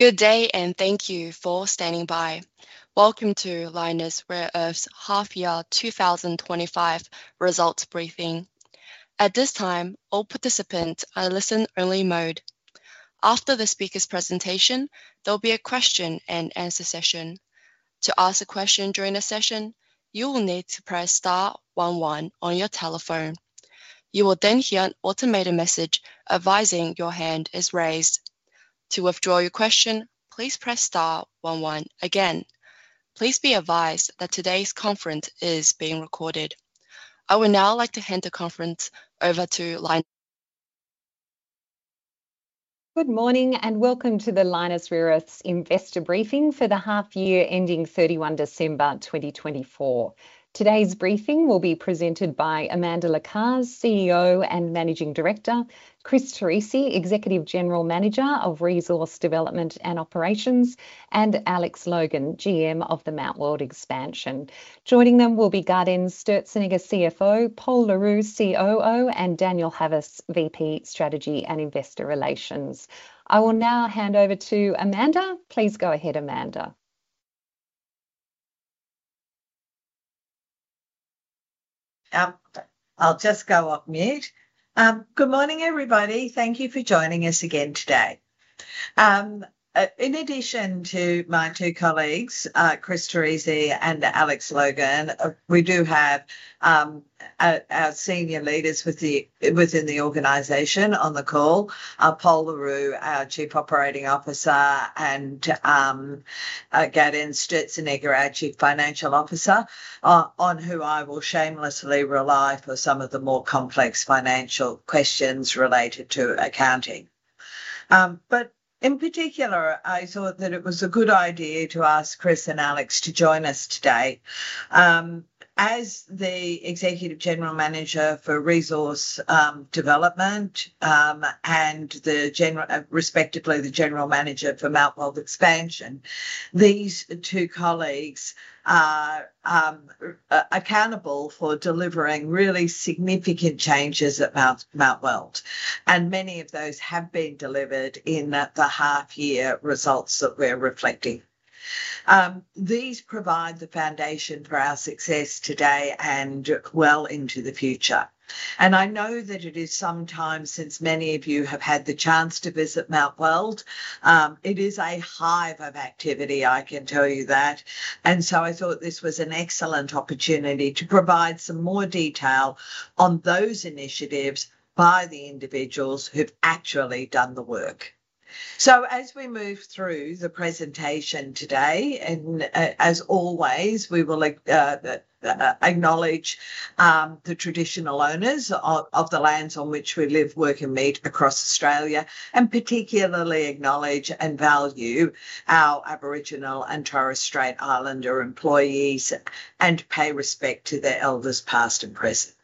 Good day, and thank you for standing by. Welcome to Lynas Rare Earths Half-Year 2025 Results Briefing. At this time, all participants are in listen-only mode. After the speaker's presentation, there will be a question-and-answer session. To ask a question during the session, you will need to press Star one-one on your telephone. You will then hear an automated message advising your hand is raised. To withdraw your question, please press Star one-one again. Please be advised that today's conference is being recorded. I would now like to hand the conference over to Lynas. Good morning, and welcome to the Lynas Rare Earths Investor Briefing for the Half-Year Ending 31 December 2024. Today's briefing will be presented by Amanda Lacaze, CEO and Managing Director, Chris Torrisi, Executive General Manager of Resource Development and Operations, and Alex Logan, GM of the Mt Weld Expansion. Joining them will be Gaudenz Sturzenegger, CFO, Pol Le Roux, COO, and Daniel Havas, VP, Strategy and Investor Relations. I will now hand over to Amanda. Please go ahead, Amanda. I'll just go off mute. Good morning, everybody. Thank you for joining us again today. In addition to my two colleagues, Chris Torrisi and Alex Logan, we do have our senior leaders within the organization on the call: Pol Le Roux, our Chief Operating Officer, and Gaudenz Sturzenegger, our Chief Financial Officer, on whom I will shamelessly rely for some of the more complex financial questions related to accounting, but in particular, I thought that it was a good idea to ask Chris and Alex to join us today. As the Executive General Manager for Resource Development and respectively the General Manager for Mt Weld Expansion, these two colleagues are accountable for delivering really significant changes at Mt Weld, and many of those have been delivered in the half-year results that we're reflecting. These provide the foundation for our success today and well into the future. And I know that it is sometimes, since many of you have had the chance to visit Mt Weld, it is a hive of activity, I can tell you that. And so I thought this was an excellent opportunity to provide some more detail on those initiatives by the individuals who've actually done the work. So as we move through the presentation today, and as always, we will acknowledge the traditional owners of the lands on which we live, work, and meet across Australia, and particularly acknowledge and value our Aboriginal and Torres Strait Islander employees and pay respect to their elders past and present.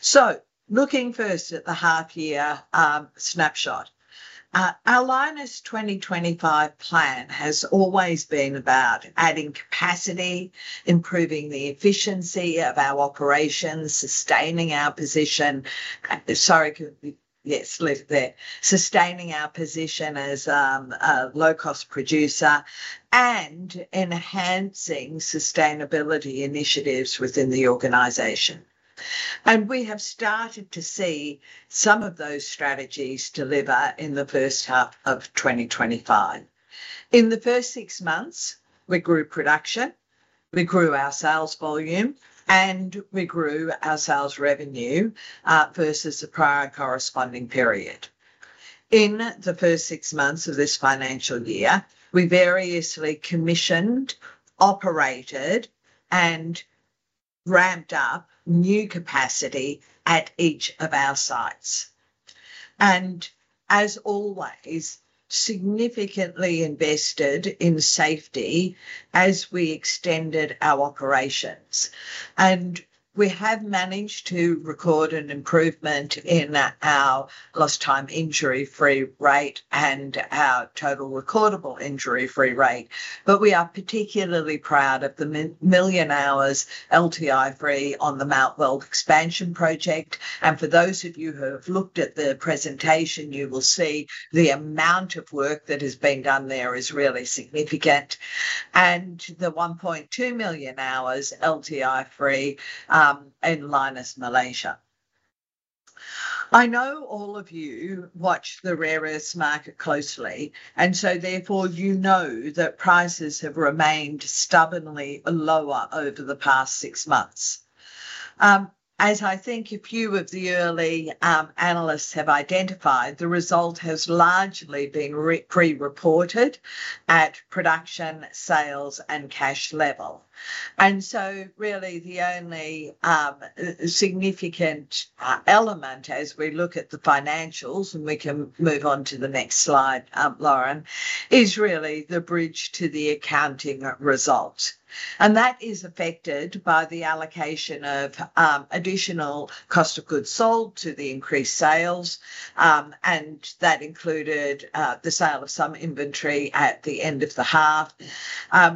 So looking first at the half-year snapshot, our Lynas 2025 plan has always been about adding capacity, improving the efficiency of our operations, sustaining our position, sorry, yes, leave it there, sustaining our position as a low-cost producer and enhancing sustainability initiatives within the organization. We have started to see some of those strategies deliver in the first half of 2025. In the first six months, we grew production, we grew our sales volume, and we grew our sales revenue versus the prior corresponding period. In the first six months of this financial year, we variously commissioned, operated, and ramped up new capacity at each of our sites. As always, we significantly invested in safety as we extended our operations. We have managed to record an improvement in our lost time injury-free rate and our total recordable injury-free rate. We are particularly proud of the 1 million hours LTI-free on the Mt Weld Expansion project. For those of you who have looked at the presentation, you will see the amount of work that has been done there is really significant, and the 1.2 million hours LTI-free in Lynas, Malaysia. I know all of you watch the rare earths market closely, and so therefore you know that prices have remained stubbornly lower over the past six months. As I think a few of the early analysts have identified, the result has largely been pre-reported at production, sales, and cash level. And so really the only significant element, as we look at the financials, and we can move on to the next slide, Lauren, is really the bridge to the accounting result. And that is affected by the allocation of additional cost of goods sold to the increased sales, and that included the sale of some inventory at the end of the half.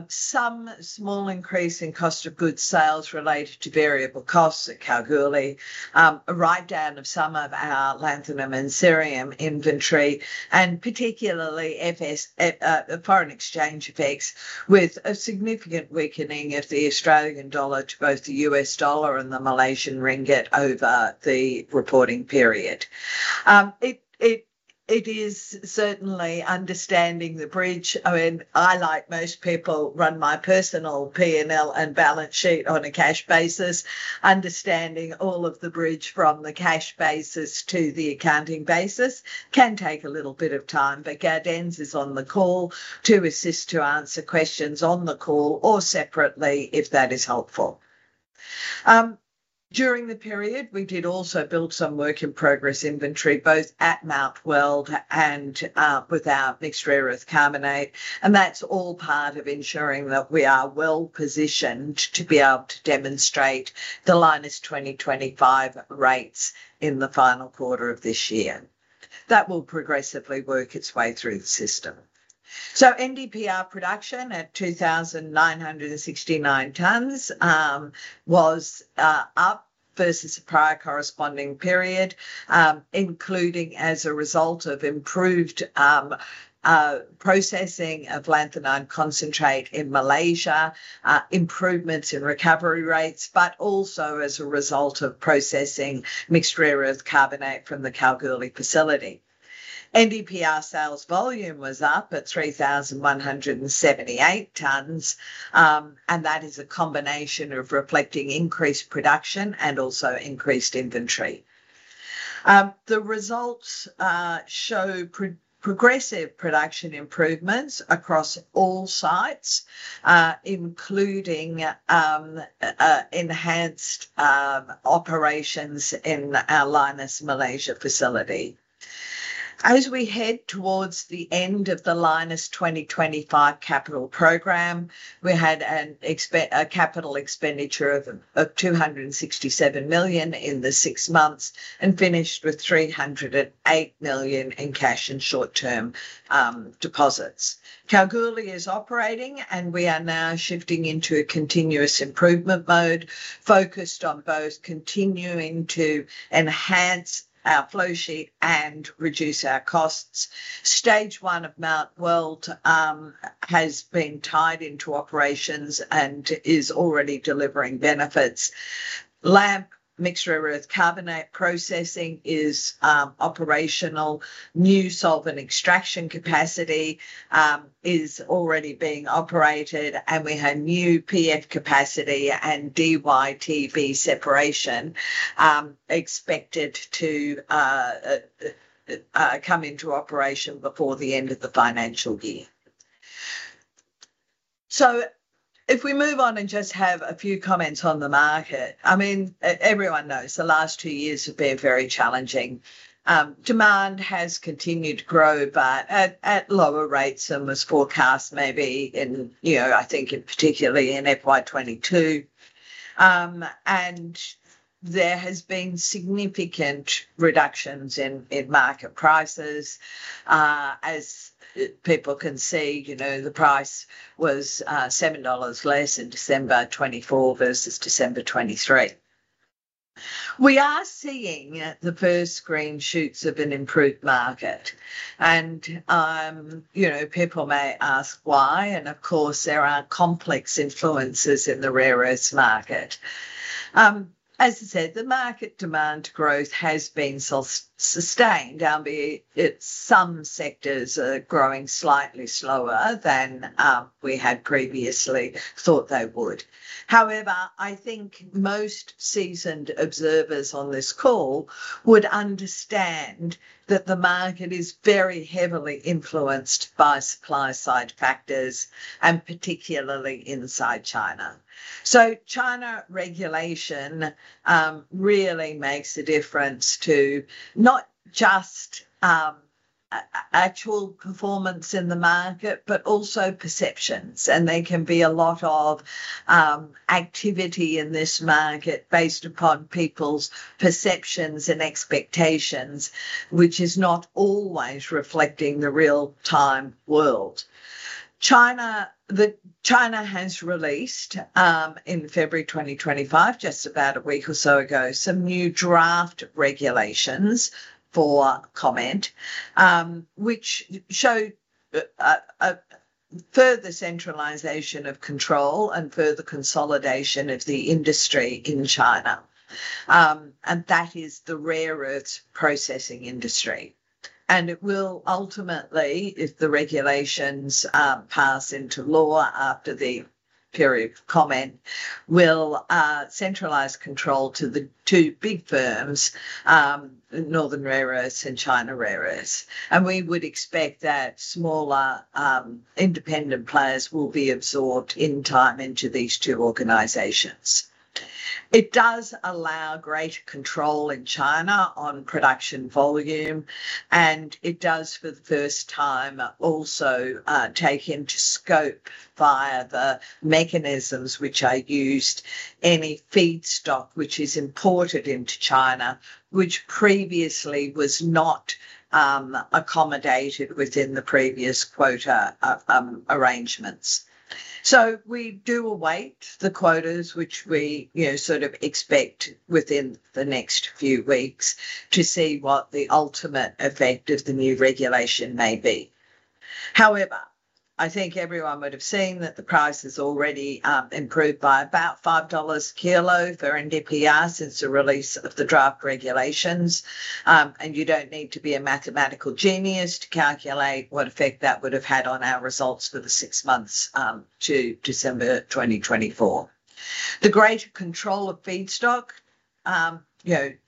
Some small increase in cost of goods sold related to variable costs at Kalgoorlie, a write-down of some of our lanthanum and cerium inventory, and particularly foreign exchange effects with a significant weakening of the Australian dollar to both the U.S. dollar and the Malaysian ringgit over the reporting period. It is certainly understandable the bridge. I mean, I, like most people, run my personal P&L and balance sheet on a cash basis. Understanding all of the bridge from the cash basis to the accounting basis can take a little bit of time, but Gaudenz is on the call to assist to answer questions on the call or separately if that is helpful. During the period, we did also build some work in progress inventory both at Mt Weld and with our Mixed Rare Earths Carbonate, and that's all part of ensuring that we are well positioned to be able to demonstrate the Lynas 2025 rates in the final quarter of this year. That will progressively work its way through the system. So NdPr production at 2,969 tons was up versus the prior corresponding period, including as a result of improved processing of lanthanide concentrate in Malaysia, improvements in recovery rates, but also as a result of processing Mixed Rare Earths Carbonate from the Kalgoorlie facility. NdPr sales volume was up at 3,178 tons, and that is a combination of reflecting increased production and also increased inventory. The results show progressive production improvements across all sites, including enhanced operations in our Lynas Malaysia facility. As we head towards the end of the Lynas 2025 capital program, we had a capital expenditure of 267 million in the six months and finished with 308 million in cash and short-term deposits. Kalgoorlie is operating, and we are now shifting into a continuous improvement mode focused on both continuing to enhance our flowsheet and reduce our costs. Stage one of Mt Weld has been tied into operations and is already delivering benefits. LAMP, Mixed Rare Earths Carbonate processing, is operational. New solvent extraction capacity is already being operated, and we have new PF capacity and DyTb separation expected to come into operation before the end of the financial year. So if we move on and just have a few comments on the market, I mean, everyone knows the last two years have been very challenging. Demand has continued to grow, but at lower rates than was forecast, maybe in, I think, particularly in FY 2022, and there has been significant reductions in market prices. As people can see, the price was $7 less in December 2024 versus December 2023. We are seeing the first green shoots of an improved market, and people may ask why, and of course, there are complex influences in the rare earths market. As I said, the market demand growth has been sustained, albeit some sectors are growing slightly slower than we had previously thought they would. However, I think most seasoned observers on this call would understand that the market is very heavily influenced by supply-side factors, and particularly inside China, so China regulation really makes a difference to not just actual performance in the market, but also perceptions. There can be a lot of activity in this market based upon people's perceptions and expectations, which is not always reflecting the real-time world. China has released in February 2025, just about a week or so ago, some new draft regulations for comment, which show further centralization of control and further consolidation of the industry in China. That is the rare earths processing industry. It will ultimately, if the regulations pass into law after the period of comment, centralize control to the two big firms, Northern Rare Earths and China Rare Earths. We would expect that smaller independent players will be absorbed in time into these two organizations. It does allow greater control in China on production volume, and it does for the first time also take into scope via the mechanisms which are used any feedstock which is imported into China, which previously was not accommodated within the previous quota arrangements. So we do await the quotas, which we sort of expect within the next few weeks to see what the ultimate effect of the new regulation may be. However, I think everyone would have seen that the price has already improved by about $5 a kilo for NdPr since the release of the draft regulations. And you don't need to be a mathematical genius to calculate what effect that would have had on our results for the six months to December 2024. The greater control of feedstock,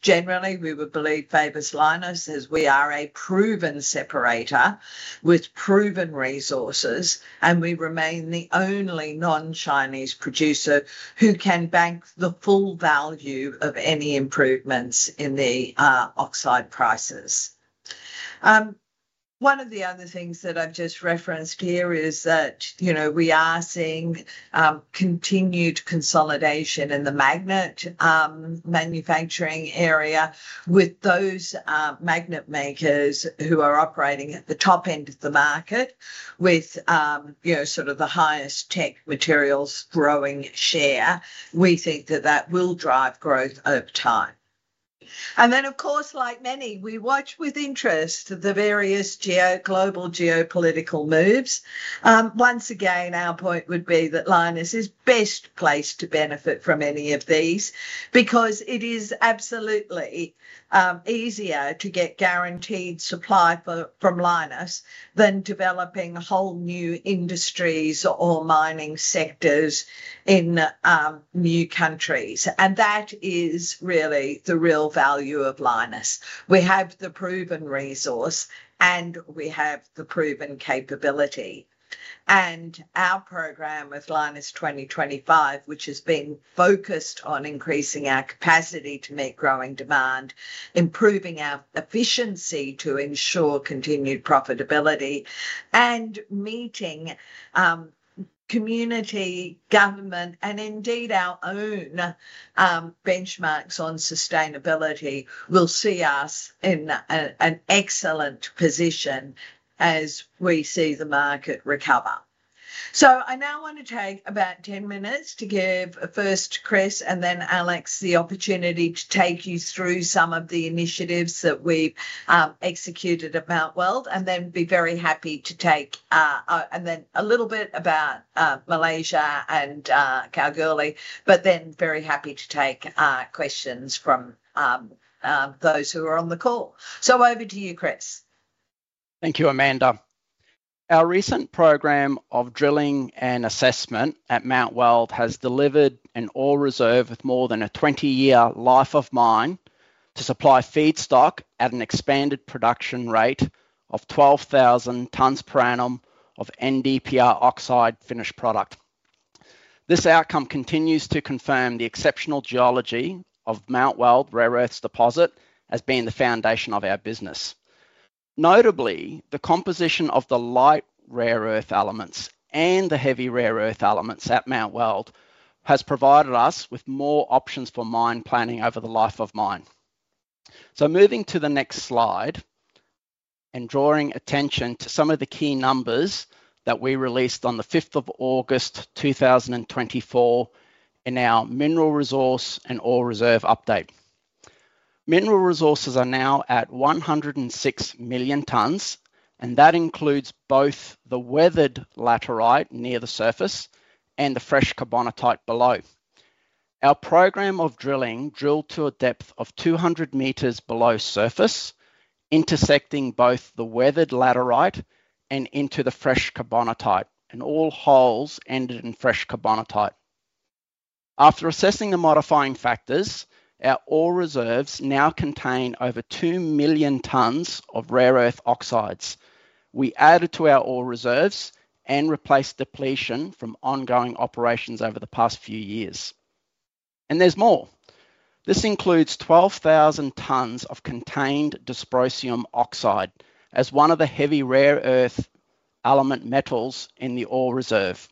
generally, we would believe favors Lynas as we are a proven separator with proven resources, and we remain the only non-Chinese producer who can bank the full value of any improvements in the oxide prices. One of the other things that I've just referenced here is that we are seeing continued consolidation in the magnet manufacturing area with those magnet makers who are operating at the top end of the market with sort of the highest tech materials growing share. We think that that will drive growth over time. And then, of course, like many, we watch with interest the various global geopolitical moves. Once again, our point would be that Lynas is best placed to benefit from any of these because it is absolutely easier to get guaranteed supply from Lynas than developing whole new industries or mining sectors in new countries. That is really the real value of Lynas. We have the proven resource, and we have the proven capability. Our program with Lynas 2025, which has been focused on increasing our capacity to meet growing demand, improving our efficiency to ensure continued profitability, and meeting community, government, and indeed our own benchmarks on sustainability, will see us in an excellent position as we see the market recover. I now want to take about 10 minutes to give first Chris and then Alex the opportunity to take you through some of the initiatives that we've executed at Mt Weld, and then be very happy to take and then a little bit about Malaysia and Kalgoorlie, but then very happy to take questions from those who are on the call. Over to you, Chris. Thank you, Amanda. Our recent program of drilling and assessment at Mt Weld has delivered an Ore Reserve of more than a 20-year life of mine to supply feedstock at an expanded production rate of 12,000 tons per annum of NdPr oxide finished product. This outcome continues to confirm the exceptional geology of Mt Weld rare earths deposit as being the foundation of our business. Notably, the composition of the light rare earth elements and the heavy rare earth elements at Mt Weld has provided us with more options for mine planning over the life of mine. So moving to the next slide and drawing attention to some of the key numbers that we released on the 5th of August 2024 in our Mineral Resource and Ore Reserve update. Mineral Resources are now at 106 million tons, and that includes both the weathered laterite near the surface and the fresh carbonatite below. Our program of drilling drilled to a depth of 200 meters below surface, intersecting both the weathered laterite and into the fresh carbonatite, and all holes ended in fresh carbonatite. After assessing the modifying factors, our Ore Reserves now contain over 2 million tons of rare earth oxides. We added to our Ore Reserves and replaced depletion from ongoing operations over the past few years. There's more. This includes 12,000 tons of contained dysprosium oxide as one of the heavy rare earth element metals in the Ore Reserve.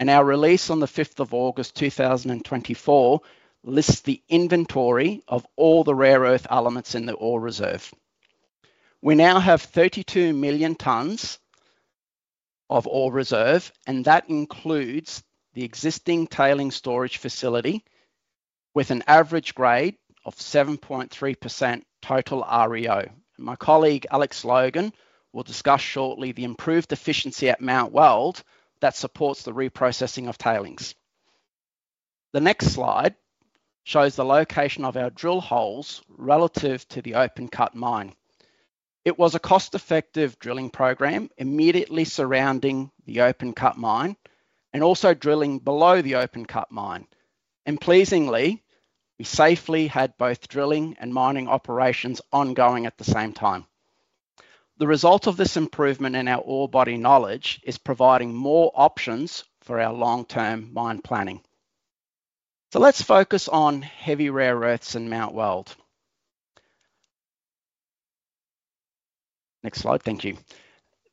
Our release on the 5th of August 2024 lists the inventory of all the rare earth elements in the Ore Reserve. We now have 32 million tons of Ore Reserve, and that includes the existing tailings storage facility with an average grade of 7.3% total REO. My colleague Alex Logan will discuss shortly the improved efficiency at Mt Weld that supports the reprocessing of tailings. The next slide shows the location of our drill holes relative to the open-cut mine. It was a cost-effective drilling program immediately surrounding the open-cut mine and also drilling below the open-cut mine. Pleasingly, we safely had both drilling and mining operations ongoing at the same time. The result of this improvement in our orebody knowledge is providing more options for our long-term mine planning. Let's focus on heavy rare earths in Mt Weld. Next slide, thank you.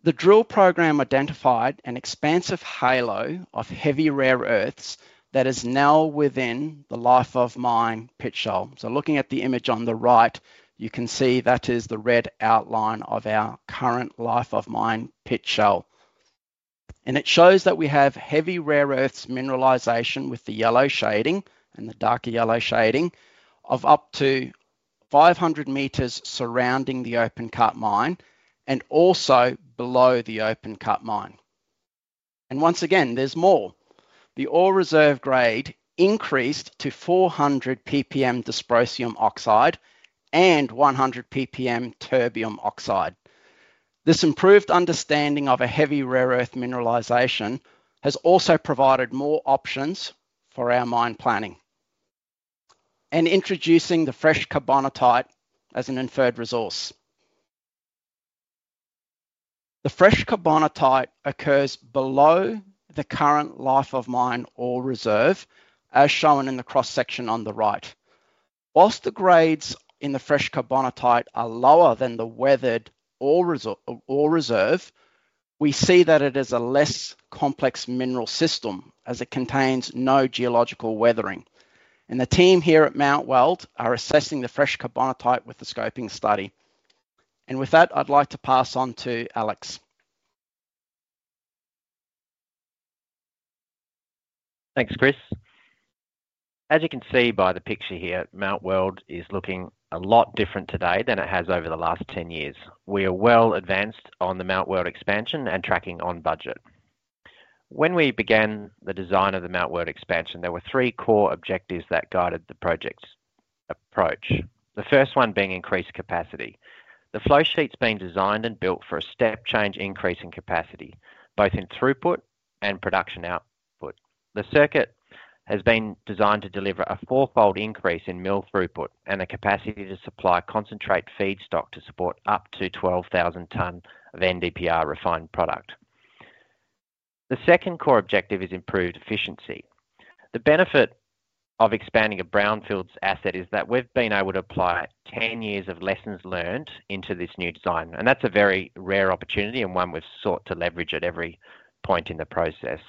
The drill program identified an expansive halo of heavy rare earths that is now within the life-of-mine pit shell. Looking at the image on the right, you can see that is the red outline of our current life-of-mine pit shell. It shows that we have heavy rare earths mineralization with the yellow shading and the darker yellow shading of up to 500 meters surrounding the open-cut mine and also below the open-cut mine. Once again, there's more. Ore Reserve grade increased to 400 ppm dysprosium oxide and 100 ppm terbium oxide. This improved understanding of a heavy rare earth mineralization has also provided more options for our mine planning and introducing the fresh carbonatite as an Inferred Resource. The fresh carbonatite occurs below the current Ore Reserve, as shown in the cross-section on the right. While the grades in the fresh carbonatite are lower than the Ore Reserve, we see that it is a less complex mineral system as it contains no geological weathering. The team here at Mt Weld are assessing the fresh carbonatite with the scoping study. With that, I'd like to pass on to Alex. Thanks, Chris. As you can see by the picture here, Mt Weld is looking a lot different today than it has over the last 10 years. We are well advanced on the Mt Weld expansion and tracking on budget. When we began the design of the Mt Weld expansion, there were three core objectives that guided the project's approach, the first one being increased capacity. The flowsheet's been designed and built for a step-change increase in capacity, both in throughput and production output. The circuit has been designed to deliver a four-fold increase in mill throughput and the capacity to supply concentrate feedstock to support up to 12,000 tons of NdPr refined product. The second core objective is improved efficiency. The benefit of expanding a brownfield asset is that we've been able to apply 10 years of lessons learned into this new design. And that's a very rare opportunity and one we've sought to leverage at every point in the process.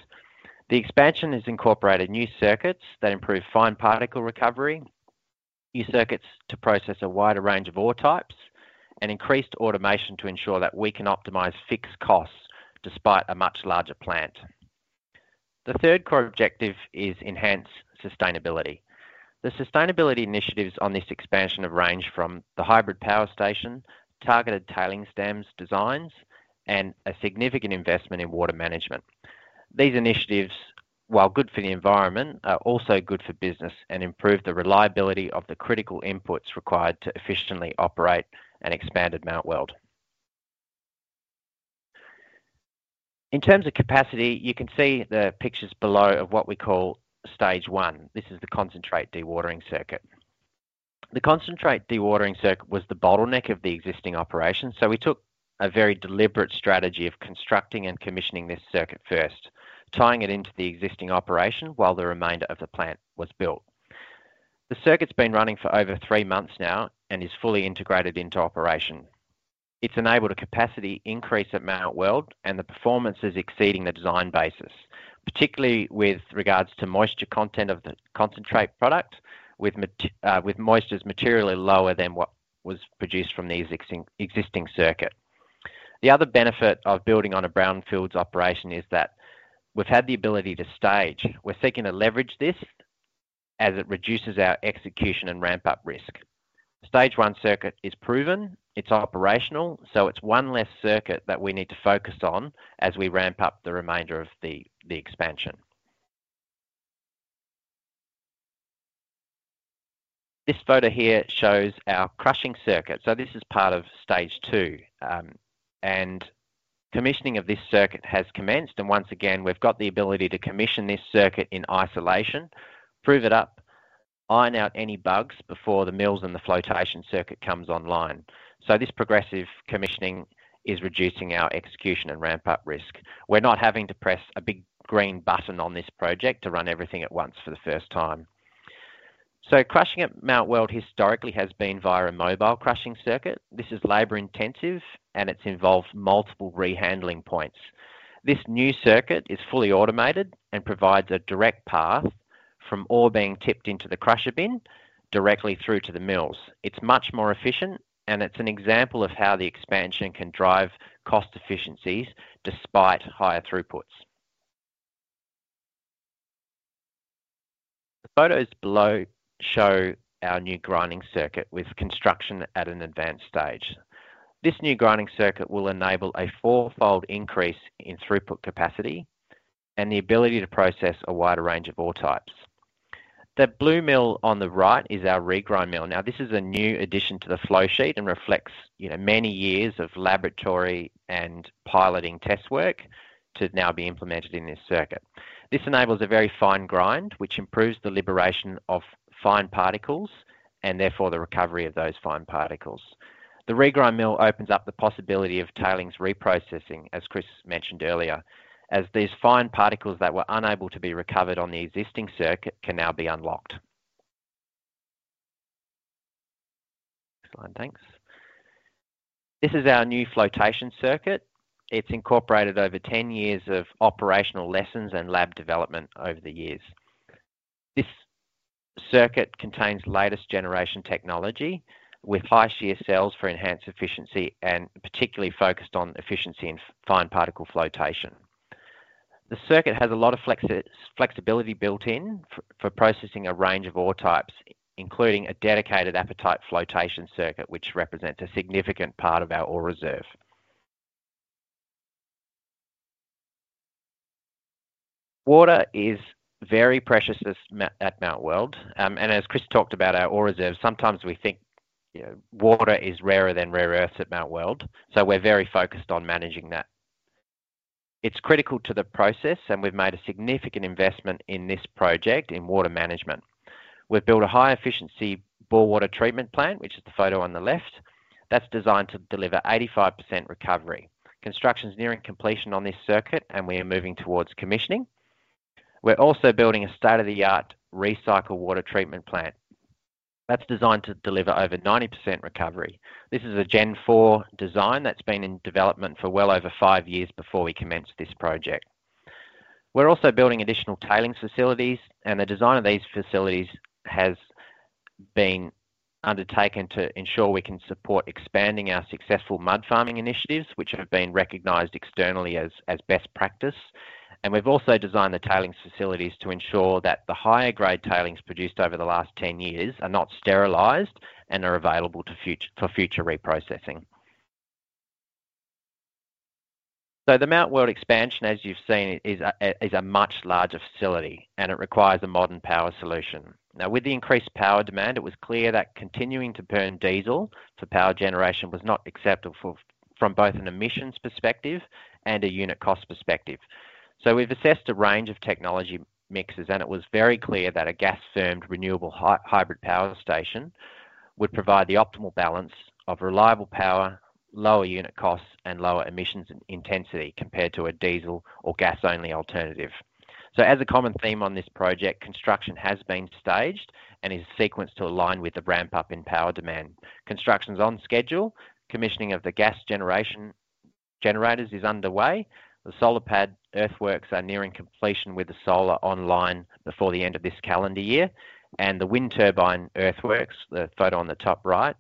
The expansion has incorporated new circuits that improve fine particle recovery, new circuits to process a wider range of ore types, and increased automation to ensure that we can optimize fixed costs despite a much larger plant. The third core objective is enhanced sustainability. The sustainability initiatives on this expansion have ranged from the hybrid power station, targeted tailings storage designs, and a significant investment in water management. These initiatives, while good for the environment, are also good for business and improve the reliability of the critical inputs required to efficiently operate an expanded Mt Weld. In terms of capacity, you can see the pictures below of what we call stage one. This is the concentrate dewatering circuit. The concentrate dewatering circuit was the bottleneck of the existing operation, so we took a very deliberate strategy of constructing and commissioning this circuit first, tying it into the existing operation while the remainder of the plant was built. The circuit's been running for over three months now and is fully integrated into operation. It's enabled a capacity increase at Mt Weld, and the performance is exceeding the design basis, particularly with regards to moisture content of the concentrate product, with moistures materially lower than what was produced from the existing circuit. The other benefit of building on a brownfields operation is that we've had the ability to stage. We're seeking to leverage this as it reduces our execution and ramp-up risk. Stage one circuit is proven. It's operational, so it's one less circuit that we need to focus on as we ramp up the remainder of the expansion. This photo here shows our crushing circuit, so this is part of stage two, and commissioning of this circuit has commenced, and once again, we've got the ability to commission this circuit in isolation, prove it up, iron out any bugs before the mills and the flotation circuit comes online, so this progressive commissioning is reducing our execution and ramp-up risk. We're not having to press a big green button on this project to run everything at once for the first time, so crushing at Mt Weld historically has been via a mobile crushing circuit. This is labor-intensive, and it's involved multiple re-handling points. This new circuit is fully automated and provides a direct path from ore being tipped into the crusher bin directly through to the mills. It's much more efficient, and it's an example of how the expansion can drive cost efficiencies despite higher throughputs. The photos below show our new grinding circuit with construction at an advanced stage. This new grinding circuit will enable a four-fold increase in throughput capacity and the ability to process a wider range of ore types. The blue mill on the right is our regrind mill. Now, this is a new addition to the flowsheet and reflects many years of laboratory and piloting test work to now be implemented in this circuit. This enables a very fine grind, which improves the liberation of fine particles and therefore the recovery of those fine particles. The regrind mill opens up the possibility of tailings reprocessing, as Chris mentioned earlier, as these fine particles that were unable to be recovered on the existing circuit can now be unlocked. Next slide, thanks. This is our new flotation circuit. It's incorporated over 10 years of operational lessons and lab development over the years. This circuit contains latest generation technology with high-shear cells for enhanced efficiency and particularly focused on efficiency in fine particle flotation. The circuit has a lot of flexibility built in for processing a range of ore types, including a dedicated apatite flotation circuit, which represents a significant part of our Ore Reserve. Water is very precious at Mt Weld, and as Chris talked about our Ore Reserve, sometimes we think water is rarer than rare earths at Mt Weld, so we're very focused on managing that. It's critical to the process, and we've made a significant investment in this project in water management. We've built a high-efficiency bore water treatment plant, which is the photo on the left, that's designed to deliver 85% recovery. Construction's nearing completion on this circuit, and we are moving towards commissioning. We're also building a state-of-the-art recycle water treatment plant that's designed to deliver over 90% recovery. This is a Gen-4 design that's been in development for well over five years before we commenced this project. We're also building additional tailings facilities, and the design of these facilities has been undertaken to ensure we can support expanding our successful mud farming initiatives, which have been recognized externally as best practice. We've also designed the tailings facilities to ensure that the higher-grade tailings produced over the last 10 years are not sterilized and are available for future reprocessing. The Mt Weld expansion, as you've seen, is a much larger facility, and it requires a modern power solution. Now, with the increased power demand, it was clear that continuing to burn diesel for power generation was not acceptable from both an emissions perspective and a unit cost perspective. So we've assessed a range of technology mixes, and it was very clear that a gas-firmed renewable hybrid power station would provide the optimal balance of reliable power, lower unit costs, and lower emissions intensity compared to a diesel or gas-only alternative. So as a common theme on this project, construction has been staged and is sequenced to align with the ramp-up in power demand. Construction's on schedule. Commissioning of the gas generators is underway. The solar pad earthworks are nearing completion with the solar online before the end of this calendar year, and the wind turbine earthworks, the photo on the top right,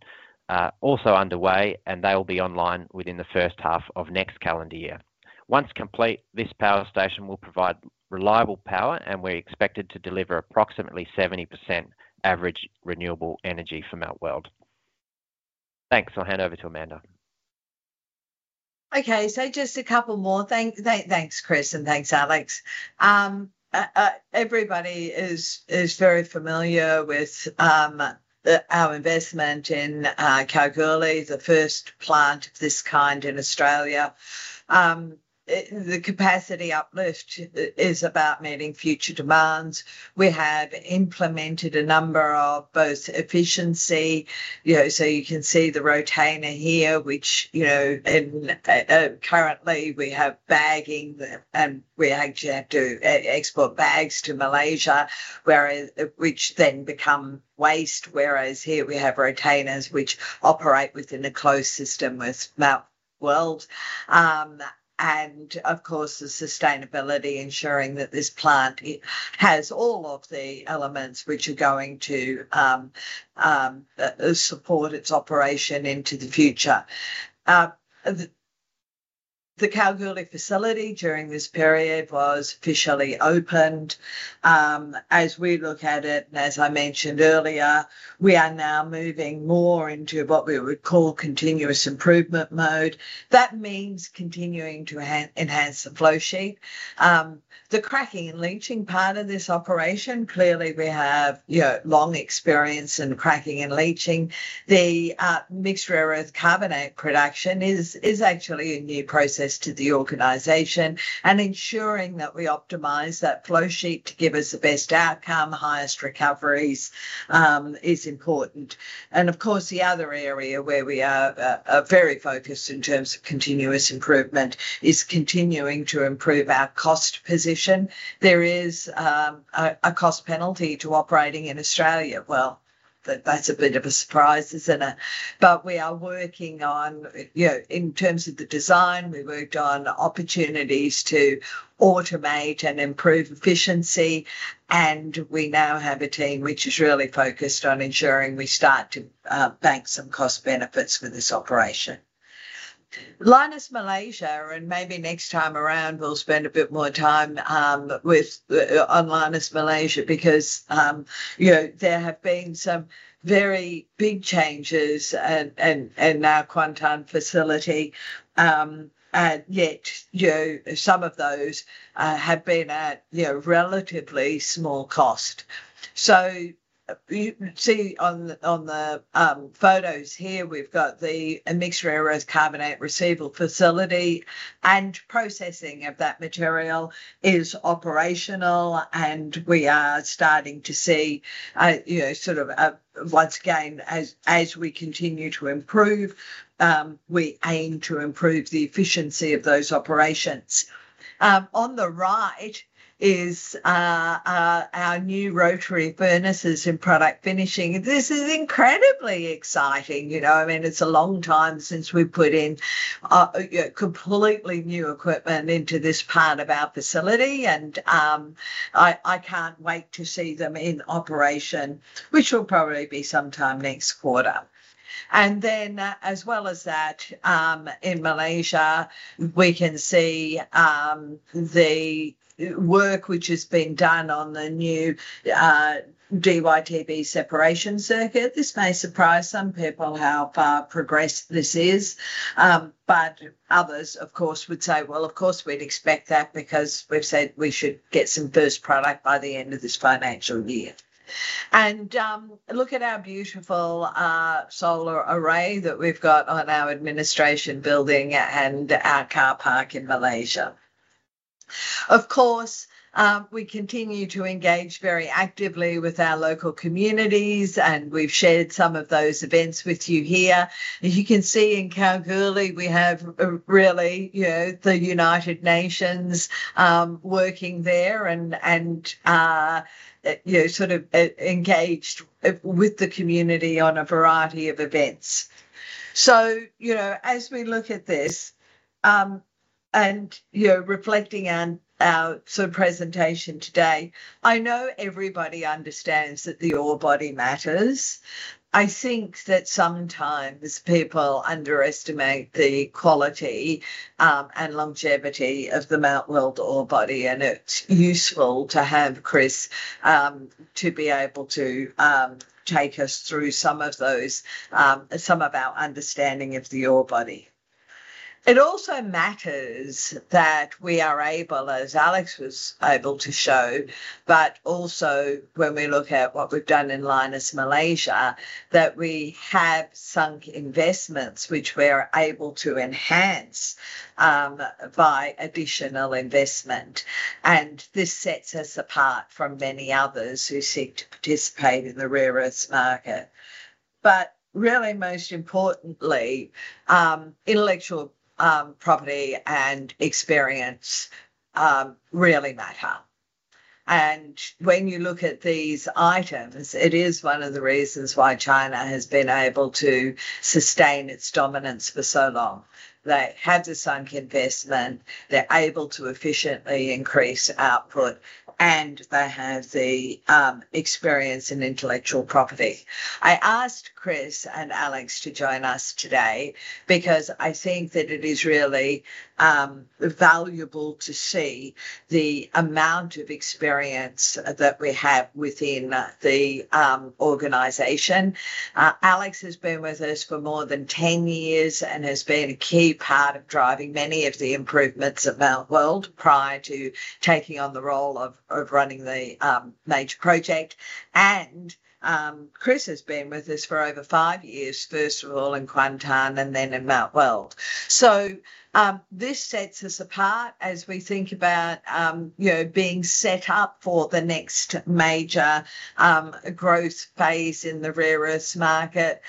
are also underway, and they'll be online within the first half of next calendar year. Once complete, this power station will provide reliable power, and we're expected to deliver approximately 70% average renewable energy for Mt Weld. Thanks. I'll hand over to Amanda. Okay, so just a couple more. Thanks, Chris, and thanks, Alex. Everybody is very familiar with our investment in Kalgoorlie, the first plant of this kind in Australia. The capacity uplift is about meeting future demands. We have implemented a number of both efficiency. So you can see the Rotainer here, which currently we have bagging, and we actually have to export bags to Malaysia, which then become waste. Whereas here, we have Rotainers which operate within a closed system with Mt Weld. And of course, the sustainability, ensuring that this plant has all of the elements which are going to support its operation into the future. The Kalgoorlie facility during this period was officially opened. As we look at it, and as I mentioned earlier, we are now moving more into what we would call continuous improvement mode. That means continuing to enhance the flow sheet. The cracking and leaching part of this operation, clearly we have long experience in cracking and leaching. The Mixed Rare Earths Carbonate production is actually a new process to the organization, and ensuring that we optimize that flow sheet to give us the best outcome, highest recoveries, is important. And of course, the other area where we are very focused in terms of continuous improvement is continuing to improve our cost position. There is a cost penalty to operating in Australia. Well, that's a bit of a surprise, isn't it? But we are working on, in terms of the design, we worked on opportunities to automate and improve efficiency, and we now have a team which is really focused on ensuring we start to bank some cost benefits for this operation. Lynas, Malaysia, and maybe next time around, we'll spend a bit more time on Lynas Malaysia because there have been some very big changes in our Kuantan facility. And yet, some of those have been at relatively small cost. So you can see on the photos here, we've got the Mixed Rare Earths Carbonate receival facility, and processing of that material is operational, and we are starting to see sort of once again, as we continue to improve, we aim to improve the efficiency of those operations. On the right is our new rotary furnaces in product finishing. This is incredibly exciting. I mean, it's a long time since we've put in completely new equipment into this part of our facility, and I can't wait to see them in operation, which will probably be sometime next quarter, and then, as well as that, in Malaysia, we can see the work which has been done on the new DyTb separation circuit. This may surprise some people how far progressed this is, but others, of course, would say, "Well, of course, we'd expect that because we've said we should get some first product by the end of this financial year," and look at our beautiful solar array that we've got on our administration building and our car park in Malaysia. Of course, we continue to engage very actively with our local communities, and we've shared some of those events with you here. As you can see in Kalgoorlie, we have really the United Nations working there and sort of engaged with the community on a variety of events. So as we look at this and reflecting on our sort of presentation today, I know everybody understands that the orebody matters. I think that sometimes people underestimate the quality and longevity of the Mt Weld orebody, and it's useful to have Chris to be able to take us through some of our understanding of the orebody. It also matters that we are able, as Alex was able to show, but also when we look at what we've done in Lynas, Malaysia, that we have sunk investments which we are able to enhance by additional investment. And this sets us apart from many others who seek to participate in the rare earths market. But really, most importantly, intellectual property and experience really matter. And when you look at these items, it is one of the reasons why China has been able to sustain its dominance for so long. They have the sunk investment. They're able to efficiently increase output, and they have the experience in intellectual property. I asked Chris and Alex to join us today because I think that it is really valuable to see the amount of experience that we have within the organization. Alex has been with us for more than 10 years and has been a key part of driving many of the improvements at Mt Weld prior to taking on the role of running the major project. And Chris has been with us for over five years, first of all in Kuantan and then in Mt Weld. So this sets us apart as we think about being set up for the next major growth phase in the rare earths market.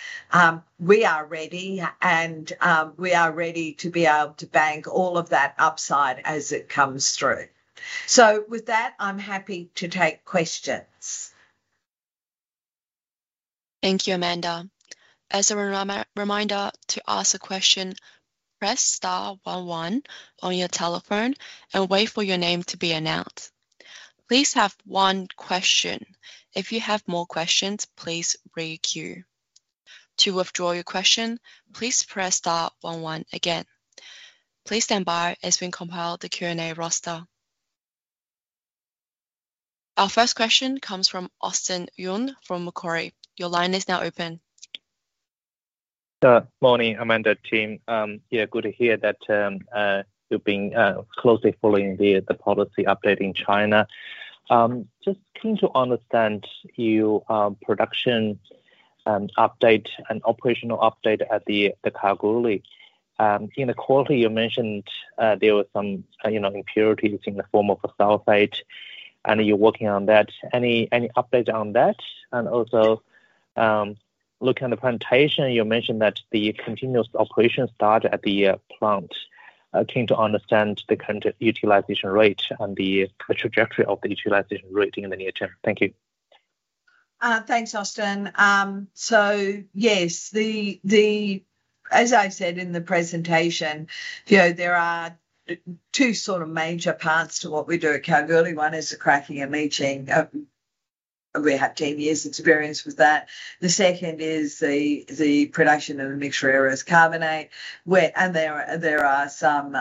We are ready, and we are ready to be able to bank all of that upside as it comes through. So with that, I'm happy to take questions. Thank you, Amanda. As a reminder, to ask a question, press star one-one on your telephone and wait for your name to be announced. Please have one question. If you have more questions, please re-queue. To withdraw your question, please press star one-one again. Please stand by as we compile the Q&A roster. Our first question comes from Austin Yun from Macquarie. Your line is now open. Good morning, Amanda team. Yeah, good to hear that you've been closely following the policy update in China. Just keen to understand your production update and operational update at the Kalgoorlie. In the quarter, you mentioned there were some impurities in the form of sulfate, and you're working on that. Any updates on that? And also, looking at the Kalgoorlie, you mentioned that the continuous operation started at the plant. Keen to understand the current utilization rate and the trajectory of the utilization rate in the near term. Thank you. Thanks, Austin. So yes, as I said in the presentation, there are two sort of major parts to what we do at Kalgoorlie. One is the cracking and leaching. We have 10 years' experience with that. The second is the production of the Mixed Rare Earths Carbonate, and there are some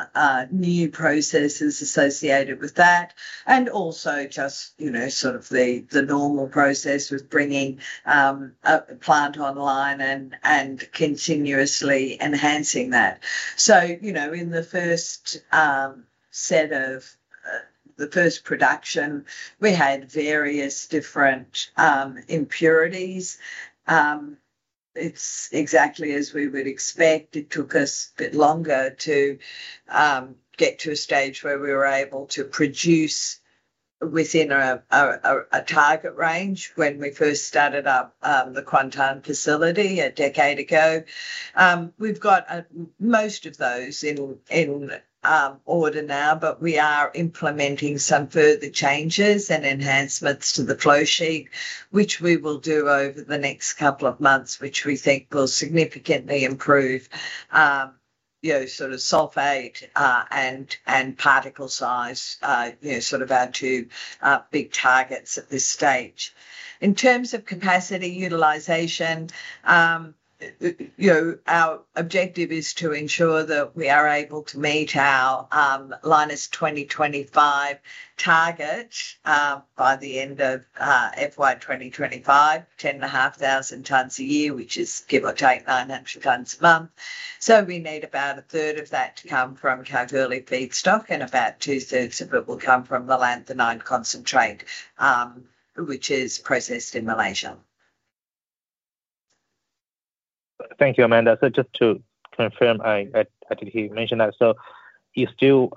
new processes associated with that. And also just sort of the normal process with bringing a plant online and continuously enhancing that. So in the first set of the first production, we had various different impurities. It's exactly as we would expect. It took us a bit longer to get to a stage where we were able to produce within a target range when we first started up the Kuantan facility a decade ago. We've got most of those in order now, but we are implementing some further changes and enhancements to the flow sheet, which we will do over the next couple of months, which we think will significantly improve sort of sulfate and particle size, sort of our two big targets at this stage. In terms of capacity utilization, our objective is to ensure that we are able to meet our Lynas 2025 target by the end of FY 2025, 10,500 tons a year, which is give or take 900 tons a month. So we need about a third of that to come from Kalgoorlie feedstock, and about two-thirds of it will come from the lanthanide concentrate, which is processed in Malaysia. Thank you, Amanda. So just to confirm, I did hear you mention that. So you still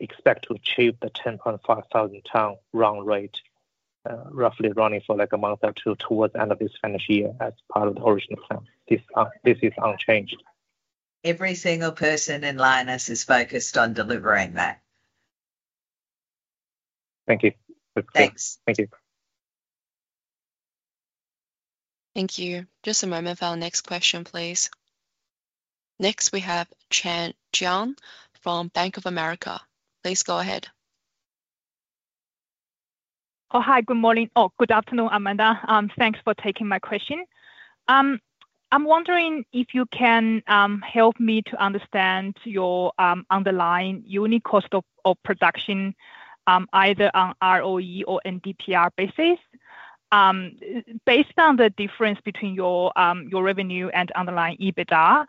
expect to achieve the 10.5 thousand ton run rate, roughly running for like a month or two towards the end of this financial year as part of the original plan? This is unchanged. Every single person in Lynas is focused on delivering that. Thank you. Thanks. Thank you. Thank you. Just a moment for our next question, please. Next, we have Chen Jiang from Bank of America. Please go ahead. Oh, hi. Good morning. Oh, good afternoon, Amanda. Thanks for taking my question. I'm wondering if you can help me to understand your underlying unit cost of production, either on REO or NdPr basis. Based on the difference between your revenue and underlying EBITDA,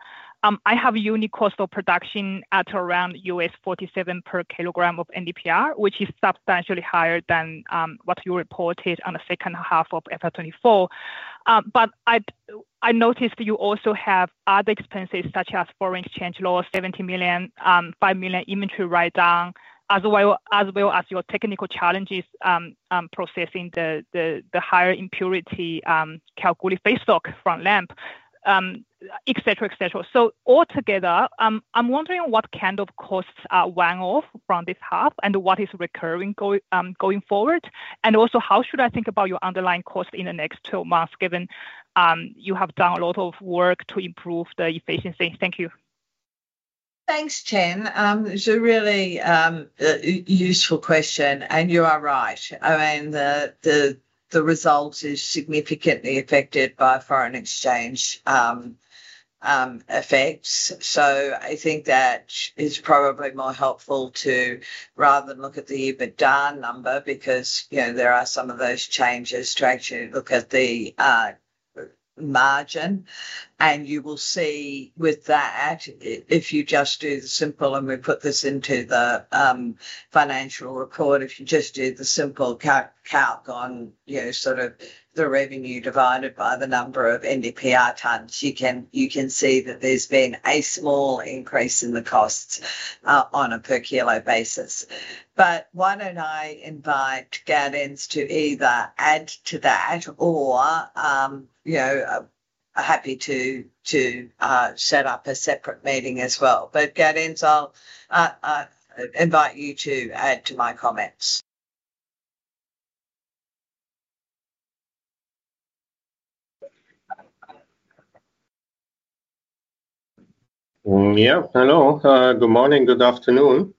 I have unit cost of production at around $47 per kg of NdPr, which is substantially higher than what you reported on the second half of FY 2024. But I noticed you also have other expenses such as foreign exchange loss, $70 million, $5 million inventory write-down, as well as your technical challenges processing the higher impurity Kalgoorlie feedstock from LAMP, et cetera, et cetera. So altogether, I'm wondering what kind of costs are went off from this half and what is recurring going forward? And also, how should I think about your underlying cost in the next 12 months, given you have done a lot of work to improve the efficiency? Thank you. Thanks, Chen. It's a really useful question, and you are right. I mean, the result is significantly affected by foreign exchange effects. I think that is probably more helpful to rather than look at the EBITDA number because there are some of those changes to actually look at the margin. And you will see with that, if you just do the simple and we put this into the financial report, if you just do the simple calc on sort of the revenue divided by the number of NdPr tons, you can see that there's been a small increase in the costs on a per kilo basis. But why don't I invite Gaudenz to either add to that or I'm happy to set up a separate meeting as well. But Gaudenz, I'll invite you to add to my comments. Yeah. Hello. Good morning. Good afternoon.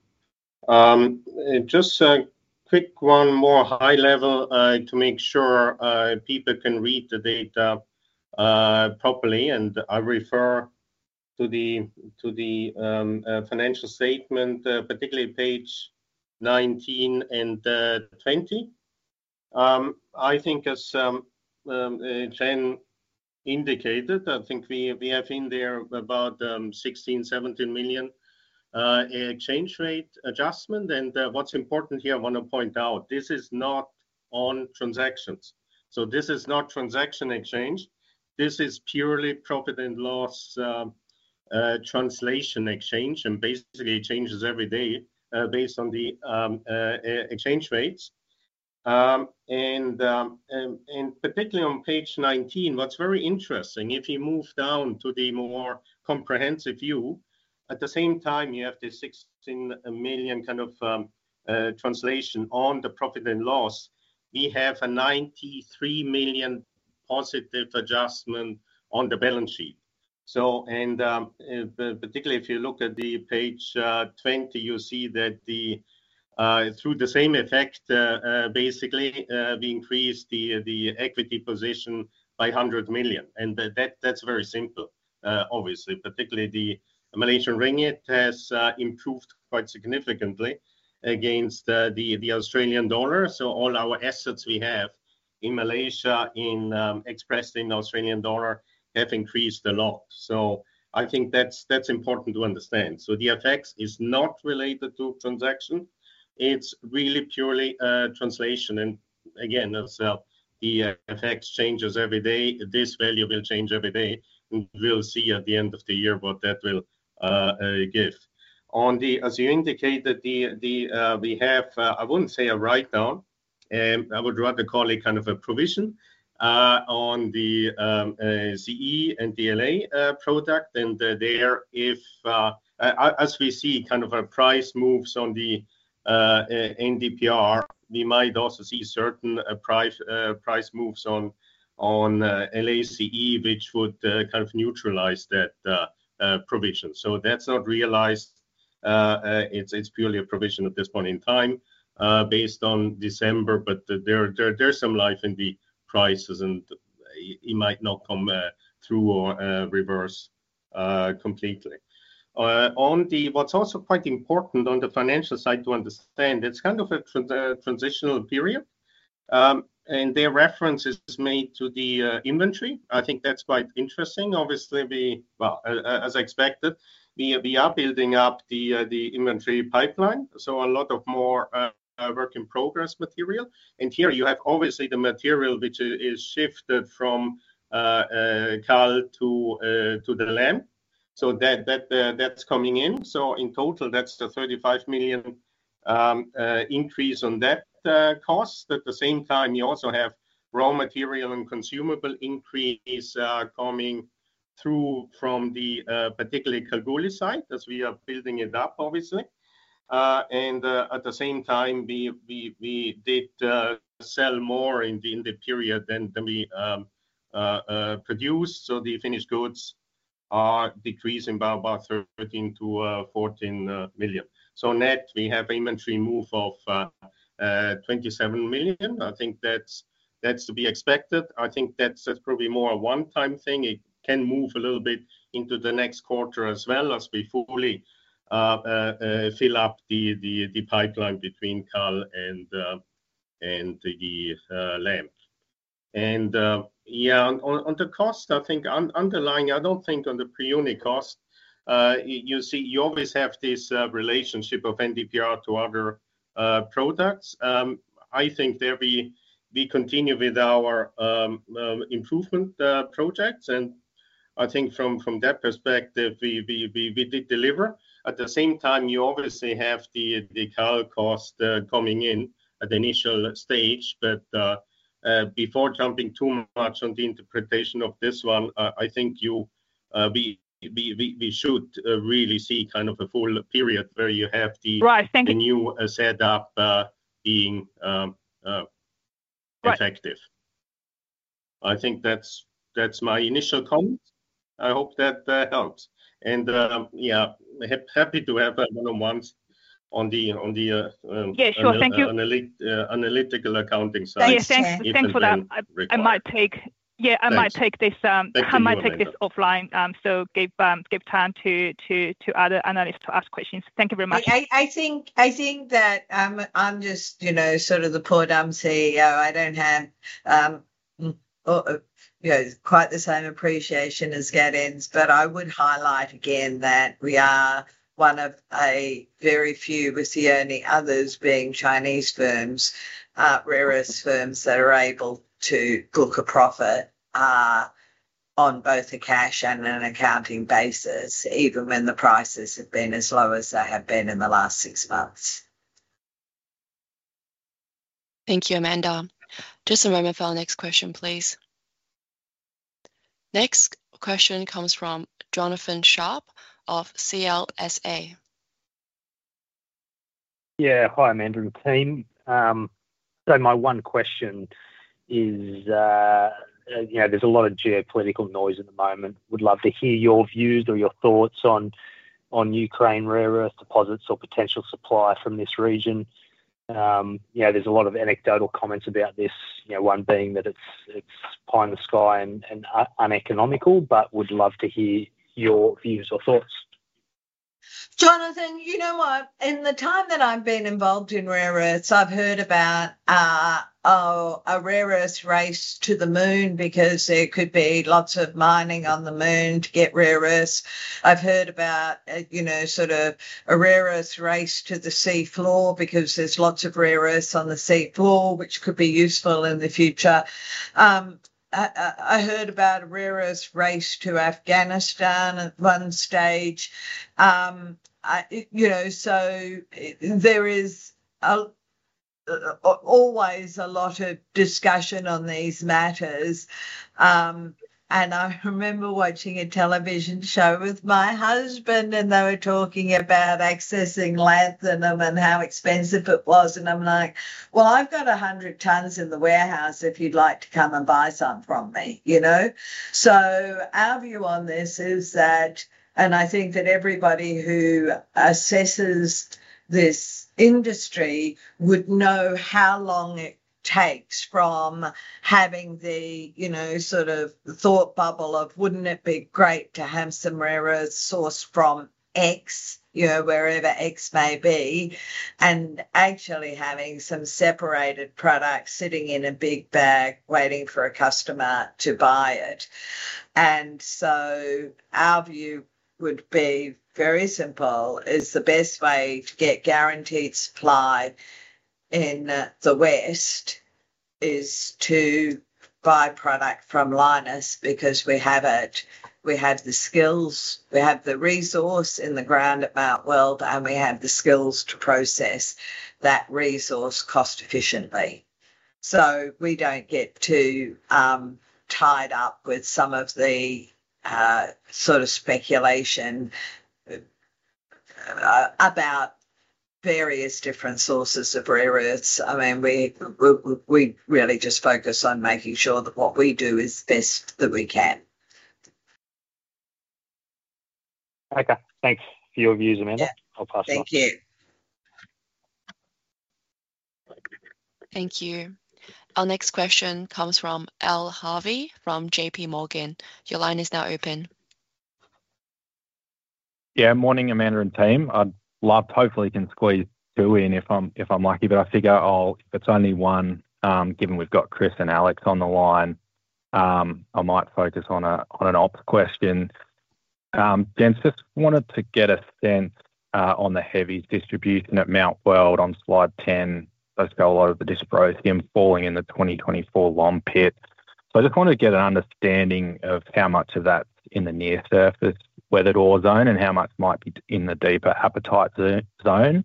Just a quick one more high level to make sure people can read the data properly. I refer to the financial statement, particularly page 19 and 20. I think, as Chen indicated, I think we have in there about 16 million-17 million exchange rate adjustment. What's important here, I want to point out, this is not on transactions. So this is not transaction exchange. This is purely profit and loss translation exchange, and basically, it changes every day based on the exchange rates. Particularly on page 19, what's very interesting, if you move down to the more comprehensive view, at the same time, you have this 16 million kind of translation on the profit and loss. We have a 93 million positive adjustment on the balance sheet. Particularly, if you look at page 20, you'll see that through the same effect, basically, we increased the equity position by 100 million. That's very simple, obviously. Particularly, the Malaysian ringgit has improved quite significantly against the Australian dollar. So all our assets we have in Malaysia, expressed in Australian dollar, have increased a lot. So I think that's important to understand. So the effect is not related to transaction. It's really purely translation. And again, as the effect changes every day, this value will change every day. We'll see at the end of the year what that will give. As you indicated, we have. I wouldn't say a write-down. I would rather call it kind of a provision on the Ce and the La product. And there, as we see kind of a price moves on the NdPr, we might also see certain price moves on La, Ce, which would kind of neutralize that provision. So that's not realized. It's purely a provision at this point in time based on December, but there's some life in the prices, and it might not come through or reverse completely. What's also quite important on the financial side to understand, it's kind of a transitional period, and there are references made to the inventory. I think that's quite interesting. Obviously, as expected, we are building up the inventory pipeline. So a lot of more work in progress material. And here, you have obviously the material which is shifted from Kalgoorlie to the LAMP. So that's coming in. So in total, that's a 35 million increase on that cost. At the same time, you also have raw material and consumable increase coming through from the particularly Kalgoorlie side as we are building it up, obviously. And at the same time, we did sell more in the period than we produced. So the finished goods are decreasing by about 13 million-14 million. So net, we have an inventory move of 27 million. I think that's to be expected. I think that's probably more a one-time thing. It can move a little bit into the next quarter as well as we fully fill up the pipeline between Kalgoorlie and the LAMP. And yeah, on the cost, I think underlying, I don't think on the per-unit cost, you always have this relationship of NdPr to other products. I think we continue with our improvement projects. And I think from that perspective, we did deliver. At the same time, you obviously have the Kalgoorlie cost coming in at the initial stage. But before jumping too much on the interpretation of this one, I think we should really see kind of a full period where you have the new setup being effective. I think that's my initial comment. I hope that helps. And yeah, happy to have one-on-ones on the analytical accounting side. Thanks. Thanks for that. I might take this offline, so give time to other analysts to ask questions. Thank you very much. I think that I'm just sort of the poor dumb CEO. I don't have quite the same appreciation as Gaudenz, but I would highlight again that we are one of a very few, with the only others being Chinese firms, rare earth firms that are able to book a profit on both a cash and an accounting basis, even when the prices have been as low as they have been in the last six months. Thank you, Amanda. Just a moment for our next question, please. Next question comes from Jonathan Sharp of CLSA. Yeah. Hi, Amanda and team. So, my one question is, there's a lot of geopolitical noise at the moment. I would love to hear your views or your thoughts on Ukraine rare earth deposits or potential supply from this region. There's a lot of anecdotal comments about this, one being that it's pie in the sky and uneconomical, but I would love to hear your views or thoughts. Jonathan, you know what? In the time that I've been involved in rare earths, I've heard about a rare earth race to the moon because there could be lots of mining on the moon to get rare earths. I've heard about sort of a rare earth race to the sea floor because there's lots of rare earths on the sea floor, which could be useful in the future. I heard about a rare earth race to Afghanistan at one stage. There is always a lot of discussion on these matters. I remember watching a television show with my husband, and they were talking about accessing Lanthanum and how expensive it was. I'm like, "Well, I've got 100 tons in the warehouse if you'd like to come and buy some from me." Our view on this is that, and I think that everybody who assesses this industry would know how long it takes from having the sort of thought bubble of, "Wouldn't it be great to have some rare earth source from X, wherever X may be," and actually having some separated product sitting in a big bag waiting for a customer to buy it. Our view would be very simple: the best way to get guaranteed supply in the West is to buy product from Lynas because we have it. We have the skills. We have the resource in the ground at Mt Weld, and we have the skills to process that resource cost-efficiently. So we don't get too tied up with some of the sort of speculation about various different sources of rare earths. I mean, we really just focus on making sure that what we do is best that we can. Okay. Thanks for your views, Amanda. I'll pass it off. Thank you. Thank you. Our next question comes from Al Harvey from J.P. Morgan. Your line is now open. Yeah. Morning, Amanda and team. I'd love to hopefully can squeeze two in if I'm lucky, but I figure if it's only one, given we've got Chris and Alex on the line, I might focus on an ops question. Just wanted to get a sense on the heavy distribution at Mt Weld on slide 10. I just got a lot of the dysprosium falling in the 2024 LOM pit, so I just wanted to get an understanding of how much of that's in the near-surface weathered ore zone and how much might be in the deeper apatite zone.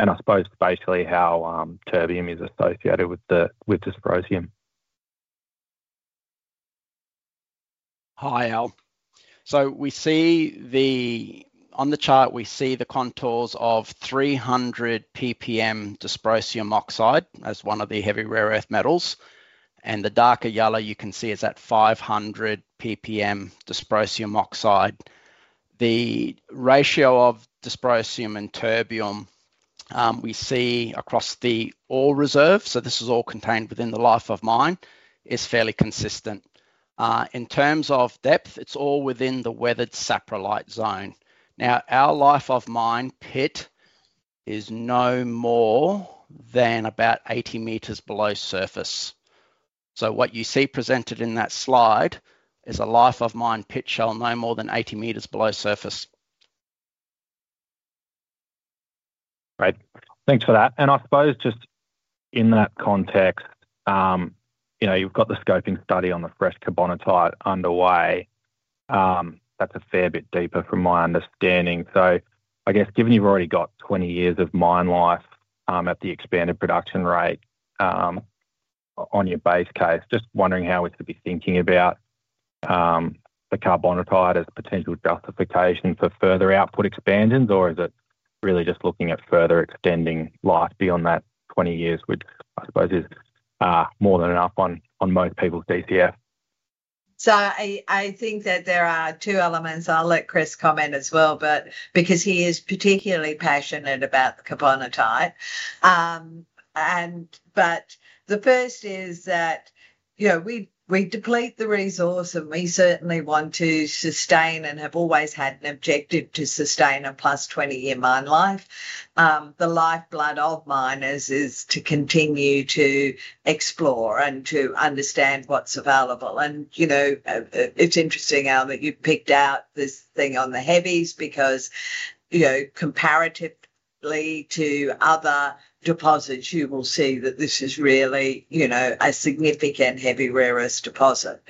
I suppose basically how terbium is associated with dysprosium. Hi, Al. On the chart, we see the contours of 300 ppm dysprosium oxide as one of the heavy rare earth metals. The darker yellow you can see is that 500 ppm dysprosium oxide. The ratio of dysprosium and terbium we see across the Ore Reserve, so this is all contained within the life of mine, is fairly consistent. In terms of depth, it's all within the weathered saprolite zone. Our life of mine pit is no more than about 80 meters below surface. So what you see presented in that slide is a life of mine pit shell no more than 80 meters below surface. Great. Thanks for that. And I suppose just in that context, you've got the scoping study on the fresh carbonatite underway. That's a fair bit deeper from my understanding. So I guess given you've already got 20 years of mine life at the expanded production rate on your base case, just wondering how we should be thinking about the carbonatite as a potential justification for further output expansions, or is it really just looking at further extending life beyond that 20 years, which I suppose is more than enough on most people's DCF? So I think that there are two elements. I'll let Chris comment as well, but because he is particularly passionate about the carbonatite. But the first is that we deplete the resource, and we certainly want to sustain and have always had an objective to sustain a plus 20-year mine life. The lifeblood of miners is to continue to explore and to understand what's available. And it's interesting, Al, that you've picked out this thing on the heavies because comparatively to other deposits, you will see that this is really a significant heavy rare earth deposit.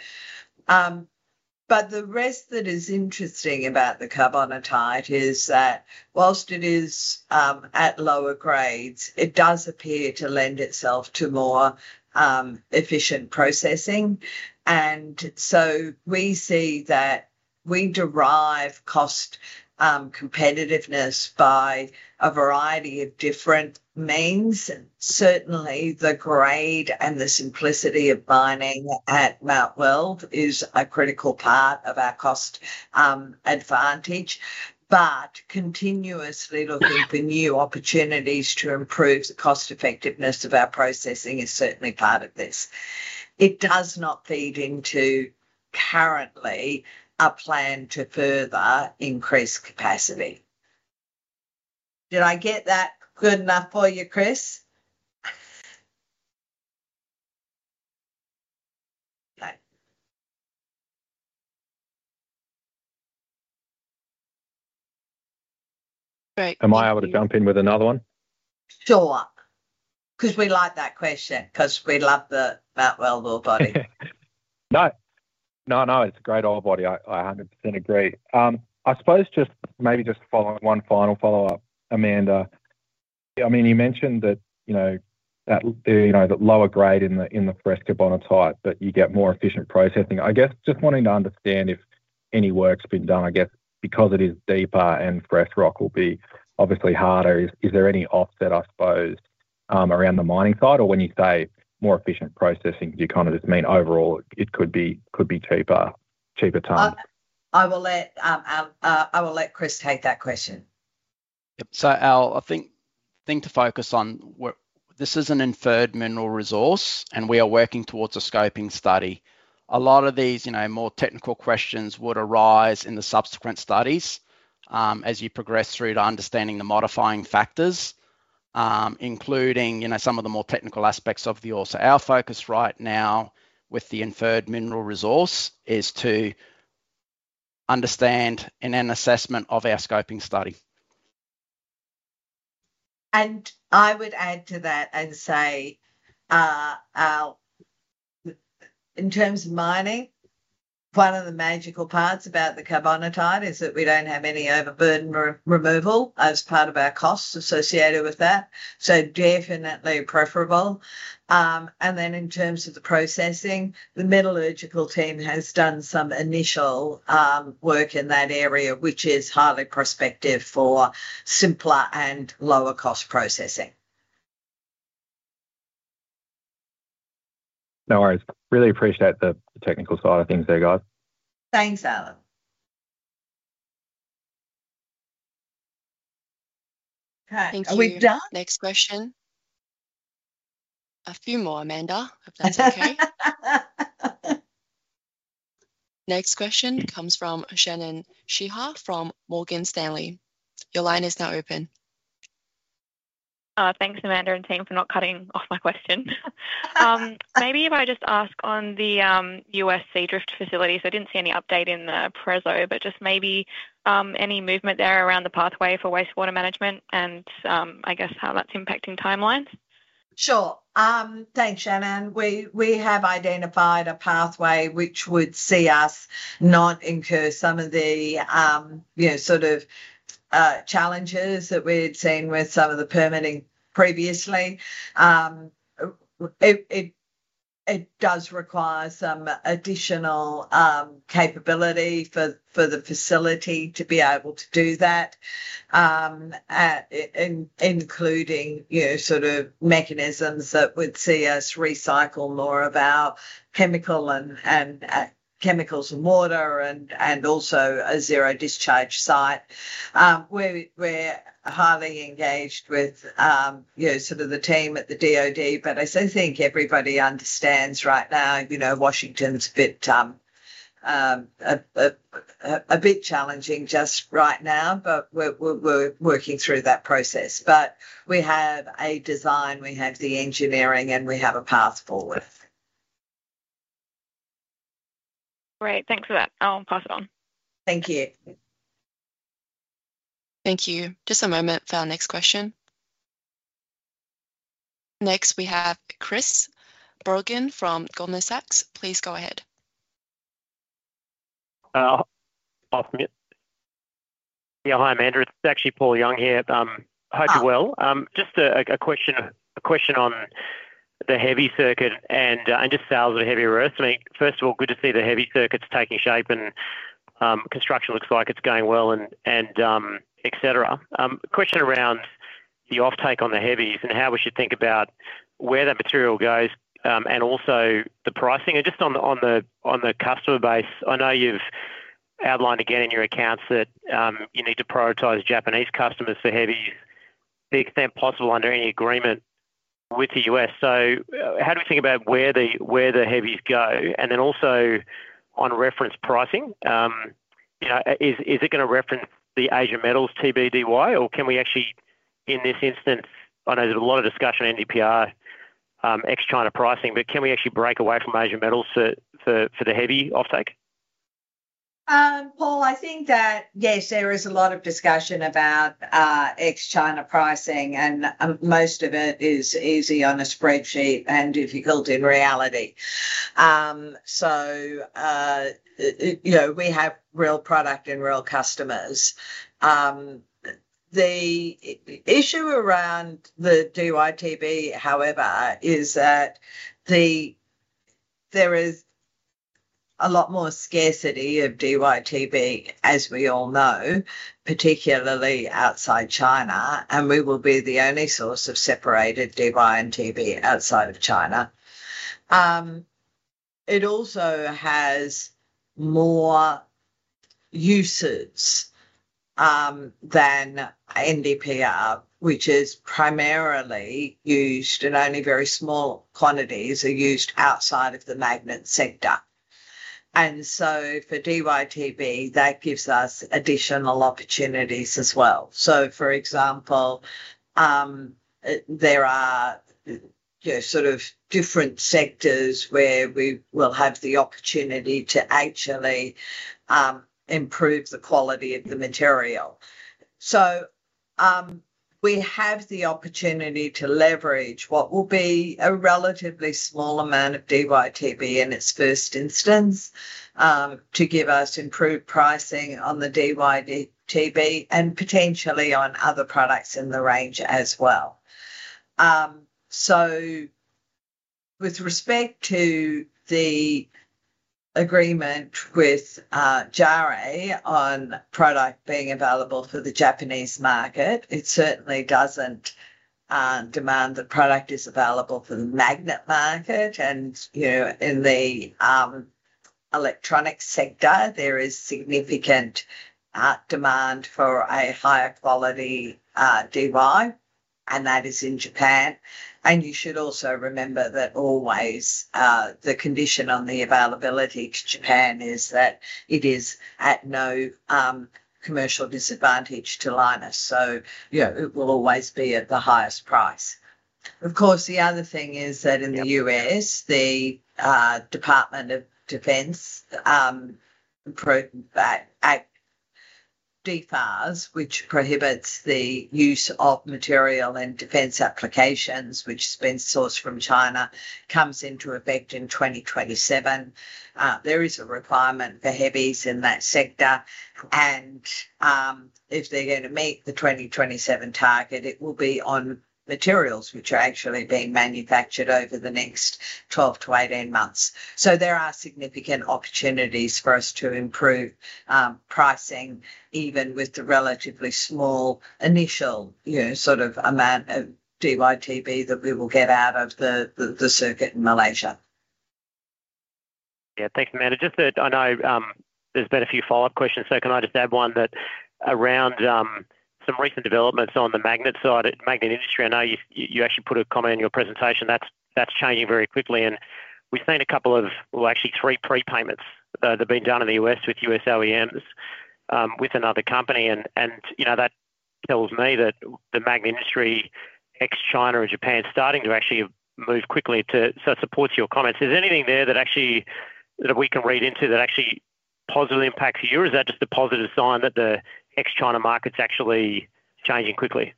But the rest that is interesting about the carbonatite is that while it is at lower grades, it does appear to lend itself to more efficient processing. And so we see that we derive cost competitiveness by a variety of different means. Certainly, the grade and the simplicity of mining at Mt Weld is a critical part of our cost advantage. But continuously looking for new opportunities to improve the cost effectiveness of our processing is certainly part of this. It does not feed into currently a plan to further increase capacity. Did I get that good enough for you, Chris? Am I able to jump in with another one? Sure. Because we like that question because we love the Mt Weld orebody. No. No, no. It's a great orebody. I 100% agree. I suppose just maybe just following one final follow-up, Amanda. I mean, you mentioned that lower grade in the fresh carbonatite, but you get more efficient processing. I guess just wanting to understand if any work's been done, I guess because it is deeper and fresh rock will be obviously harder, is there any offset, I suppose, around the mining side? Or, when you say more efficient processing, do you kind of just mean overall it could be cheaper time? I will let Chris take that question. So, Al, I think to focus on this is an Inferred Mineral Resource, and we are working towards a scoping study. A lot of these more technical questions would arise in the subsequent studies as you progress through to understanding the modifying factors, including some of the more technical aspects of the ore. So our focus right now with the Inferred Mineral Resource is to understand and an assessment of our scoping study. And I would add to that and say in terms of mining, one of the magical parts about the carbonatite is that we don't have any overburden removal as part of our costs associated with that. So definitely preferable. And then in terms of the processing, the metallurgical team has done some initial work in that area, which is highly prospective for simpler and lower-cost processing. No worries. Really appreciate the technical side of things there, guys. Thanks, Al. Okay. Are we done? Next question. A few more, Amanda, if that's okay. Next question comes from Shannon Sinha from Morgan Stanley. Your line is now open. Thanks, Amanda and team, for not cutting off my question. Maybe if I just ask on the U.S. Seadrift facility. So I didn't see any update in the preso, but just maybe any movement there around the pathway for wastewater management and I guess how that's impacting timelines? Sure. Thanks, Shannon. We have identified a pathway which would see us not incur some of the sort of challenges that we had seen with some of the permitting previously. It does require some additional capability for the facility to be able to do that, including sort of mechanisms that would see us recycle more of our chemicals and water and also a zero-discharge site. We're highly engaged with sort of the team at the DOD, but I think everybody understands right now Washington's a bit challenging just right now, but we're working through that process. But we have a design, we have the engineering, and we have a path forward. Great. Thanks for that. I'll pass it on. Thank you. Thank you. Just a moment for our next question. Next, we have Chris Brogan from Goldman Sachs. Please go ahead. Yeah. Hi, Amanda. It's actually Paul Young here. Hope you're well. Just a question on the heavy circuit and just sales of heavy earths. I mean, first of all, good to see the heavy circuits taking shape and construction looks like it's going well and et cetera. Question around the offtake on the heavies and how we should think about where that material goes and also the pricing. Just on the customer base, I know you've outlined again in your accounts that you need to prioritize Japanese customers for heavies to the extent possible under any agreement with the U.S. So how do we think about where the heavies go? And then also on reference pricing, is it going to reference the Asian Metal TbDy, or can we actually, in this instance, I know there's a lot of discussion on NdPr ex-China pricing, but can we actually break away from Asian Metal for the heavy offtake? Paul, I think that, yes, there is a lot of discussion about ex-China pricing, and most of it is easy on a spreadsheet and difficult in reality. So we have real product and real customers. The issue around the DyTb, however, is that there is a lot more scarcity of DyTb, as we all know, particularly outside China, and we will be the only source of separated DyTb outside of China. It also has more uses than NdPr, which is primarily used in only very small quantities are used outside of the magnet sector. And so for DyTb, that gives us additional opportunities as well. So for example, there are sort of different sectors where we will have the opportunity to actually improve the quality of the material. We have the opportunity to leverage what will be a relatively small amount of DyTb in its first instance to give us improved pricing on the DyTb and potentially on other products in the range as well. With respect to the agreement with JARE on product being available for the Japanese market, it certainly doesn't demand that product is available for the magnet market. In the electronics sector, there is significant demand for a higher quality Dy, and that is in Japan. You should also remember that always the condition on the availability to Japan is that it is at no commercial disadvantage to Lynas. It will always be at the highest price. Of course, the other thing is that in the U.S., the Department of Defense DFARS, which prohibits the use of material in defense applications, which has been sourced from China, comes into effect in 2027. There is a requirement for heavies in that sector. And if they're going to meet the 2027 target, it will be on materials which are actually being manufactured over the next 12-18 months. So there are significant opportunities for us to improve pricing even with the relatively small initial sort of amount of DyTb that we will get out of the circuit in Malaysia. Yeah. Thanks, Amanda. Just that I know there's been a few follow-up questions, so can I just add one that around some recent developments on the magnet side, magnet industry, I know you actually put a comment in your presentation. That's changing very quickly. And we've seen a couple of, well, actually three prepayments that have been done in the U.S. with U.S. OEMs with another company. And that tells me that the magnet industry ex-China and Japan is starting to actually move quickly to support your comments. Is there anything there that we can read into that actually positively impacts you? Or is that just a positive sign that the ex-China market's actually changing quickly?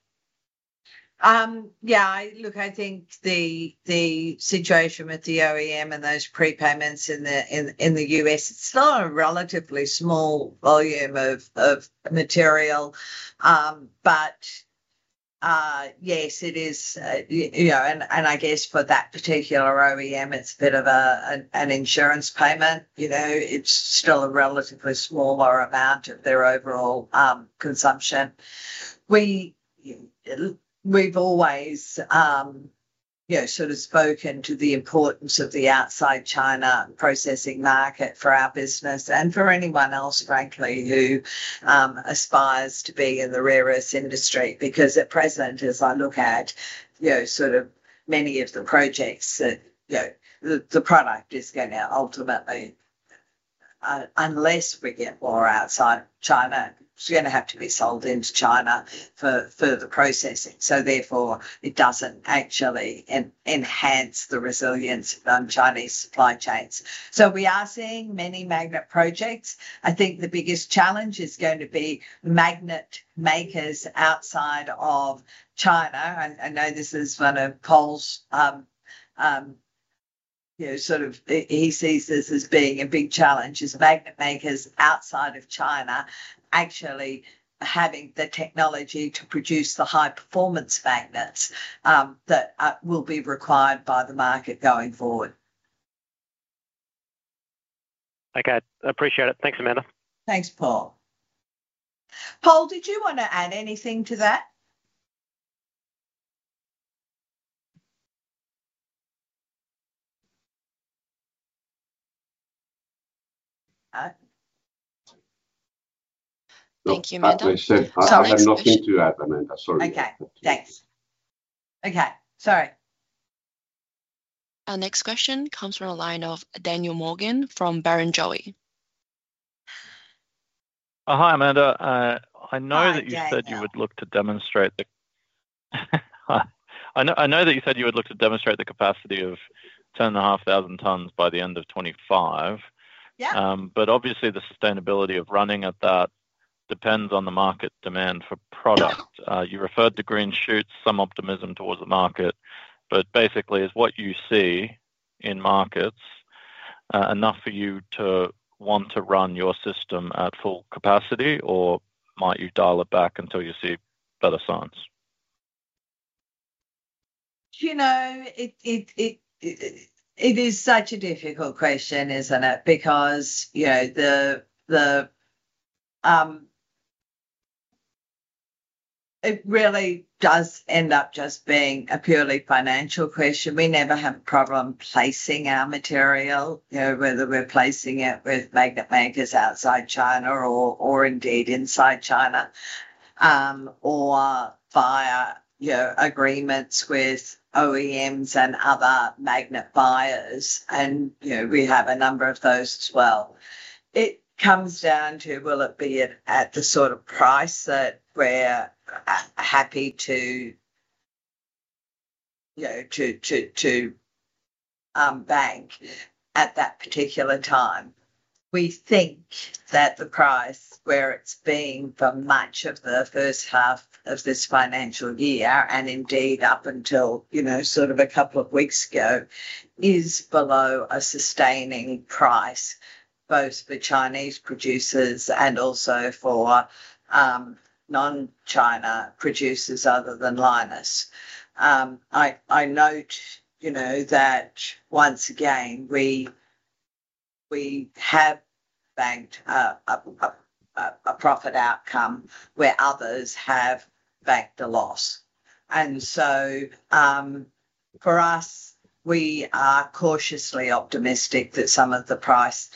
Yeah. Look, I think the situation with the OEM and those prepayments in the U.S., it's still a relatively small volume of material. But yes, it is. And I guess for that particular OEM, it's a bit of an insurance payment. It's still a relatively smaller amount of their overall consumption. We've always sort of spoken to the importance of the outside China processing market for our business and for anyone else, frankly, who aspires to be in the rare earth industry. Because at present, as I look at sort of many of the projects, the product is going to ultimately, unless we get more outside China, it's going to have to be sold into China for the processing. So therefore, it doesn't actually enhance the resilience of Chinese supply chains. So we are seeing many magnet projects. I think the biggest challenge is going to be magnet makers outside of China. I know this is one of Paul's sort of he sees this as being a big challenge is magnet makers outside of China actually having the technology to produce the high-performance magnets that will be required by the market going forward. Okay. Appreciate it. Thanks, Amanda. Thanks, Paul. Pol, did you want to add anything to that? Thank you, Amanda. Sorry. I had nothing to add, Amanda. Sorry. Okay. Thanks. Okay. Sorry. Our next question comes from a line of Daniel Morgan from Barrenjoey. Hi, Amanda. I know that you said you would look to demonstrate the capacity of 10,500 tons by the end of 2025. But obviously, the sustainability of running at that depends on the market demand for product. You referred to green shoots, some optimism towards the market. But basically, is what you see in markets enough for you to want to run your system at full capacity, or might you dial it back until you see better signs? It is such a difficult question, isn't it? Because it really does end up just being a purely financial question. We never have a problem placing our material, whether we're placing it with magnet makers outside China or indeed inside China or via agreements with OEMs and other magnet buyers. And we have a number of those as well. It comes down to, will it be at the sort of price that we're happy to bank at that particular time? We think that the price where it's been for much of the first half of this financial year and indeed up until sort of a couple of weeks ago is below a sustaining price both for Chinese producers and also for non-China producers other than Lynas. I note that once again, we have banked a profit outcome where others have banked a loss. And so for us, we are cautiously optimistic that some of the price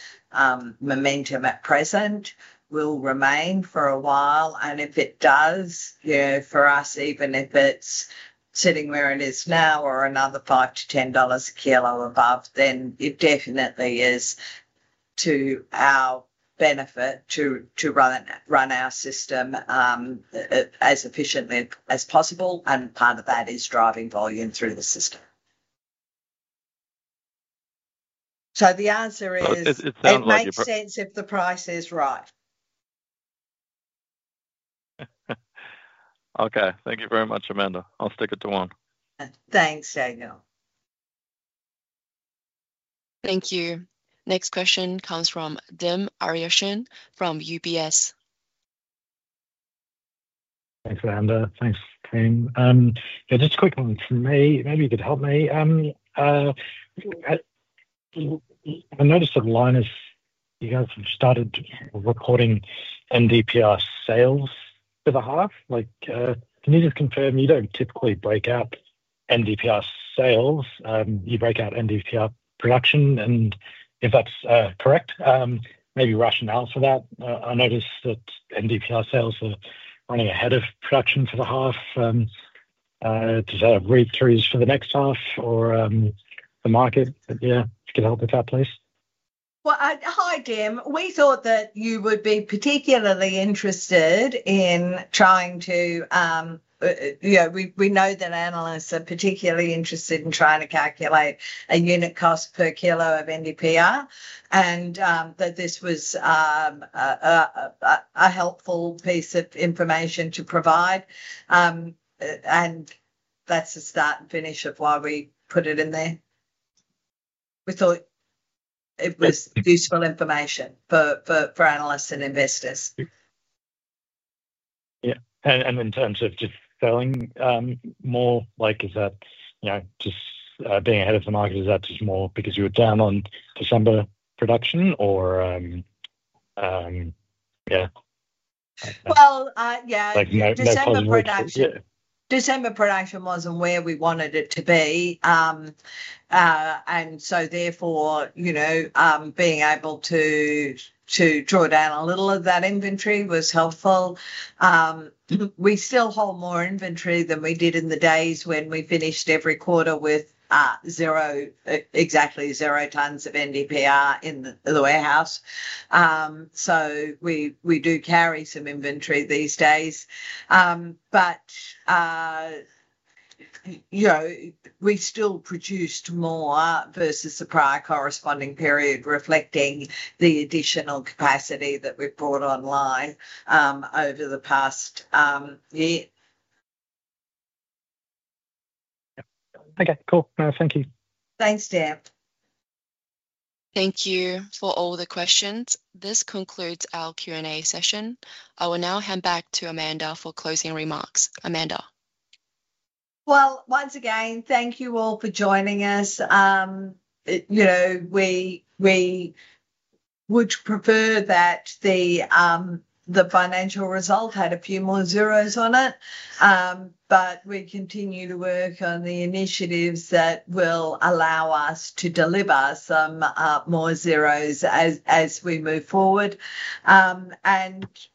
momentum at present will remain for a while. If it does, for us, even if it's sitting where it is now or another $5-$10 a kilo above, then it definitely is to our benefit to run our system as efficiently as possible. Part of that is driving volume through the system. So the answer is, it makes sense if the price is right. Okay. Thank you very much, Amanda. I'll stick it to one. Thanks, Daniel. Thank you. Next question comes from Dim Ariyasinghe from UBS. Thanks, Amanda. Thanks, team. Just a quick one for me. Maybe you could help me. I noticed that Lynas, you guys have started reporting NdPr sales for the half. Can you just confirm you don't typically break out NdPr sales? You break out NdPr production. And if that's correct, maybe rationale for that. I noticed that NdPr sales are running ahead of production for the half. Does that have outlooks for the next half or the market? Yeah. If you could help with that, please. Hi, Dim. We thought that you would be particularly interested. We know that analysts are particularly interested in trying to calculate a unit cost per kilo of NdPr and that this was a helpful piece of information to provide, and that's the start and finish of why we put it in there. We thought it was useful information for analysts and investors. Yeah, and in terms of just selling more, is that just being ahead of the market, is that just more because you were down on December production or yeah? Yeah. December production wasn't where we wanted it to be, and so therefore, being able to draw down a little of that inventory was helpful. We still hold more inventory than we did in the days when we finished every quarter with exactly zero tons of NdPr in the warehouse. So we do carry some inventory these days. But we still produced more versus the prior corresponding period, reflecting the additional capacity that we've brought online over the past year. Okay. Cool. Thank you. Thanks, Dim. Thank you for all the questions. This concludes our Q&A session. I will now hand back to Amanda for closing remarks. Amanda. Well, once again, thank you all for joining us. We would prefer that the financial result had a few more zeros on it. But we continue to work on the initiatives that will allow us to deliver some more zeros as we move forward. And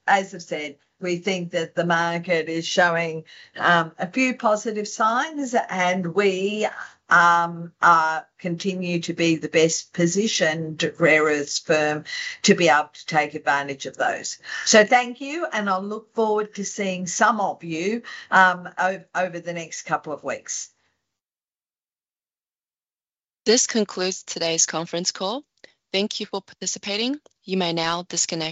as I've said, we think that the market is showing a few positive signs, and we continue to be the best positioned rare earth firm to be able to take advantage of those. So thank you. And I'll look forward to seeing some of you over the next couple of weeks. This concludes today's conference call. Thank you for participating. You may now disconnect.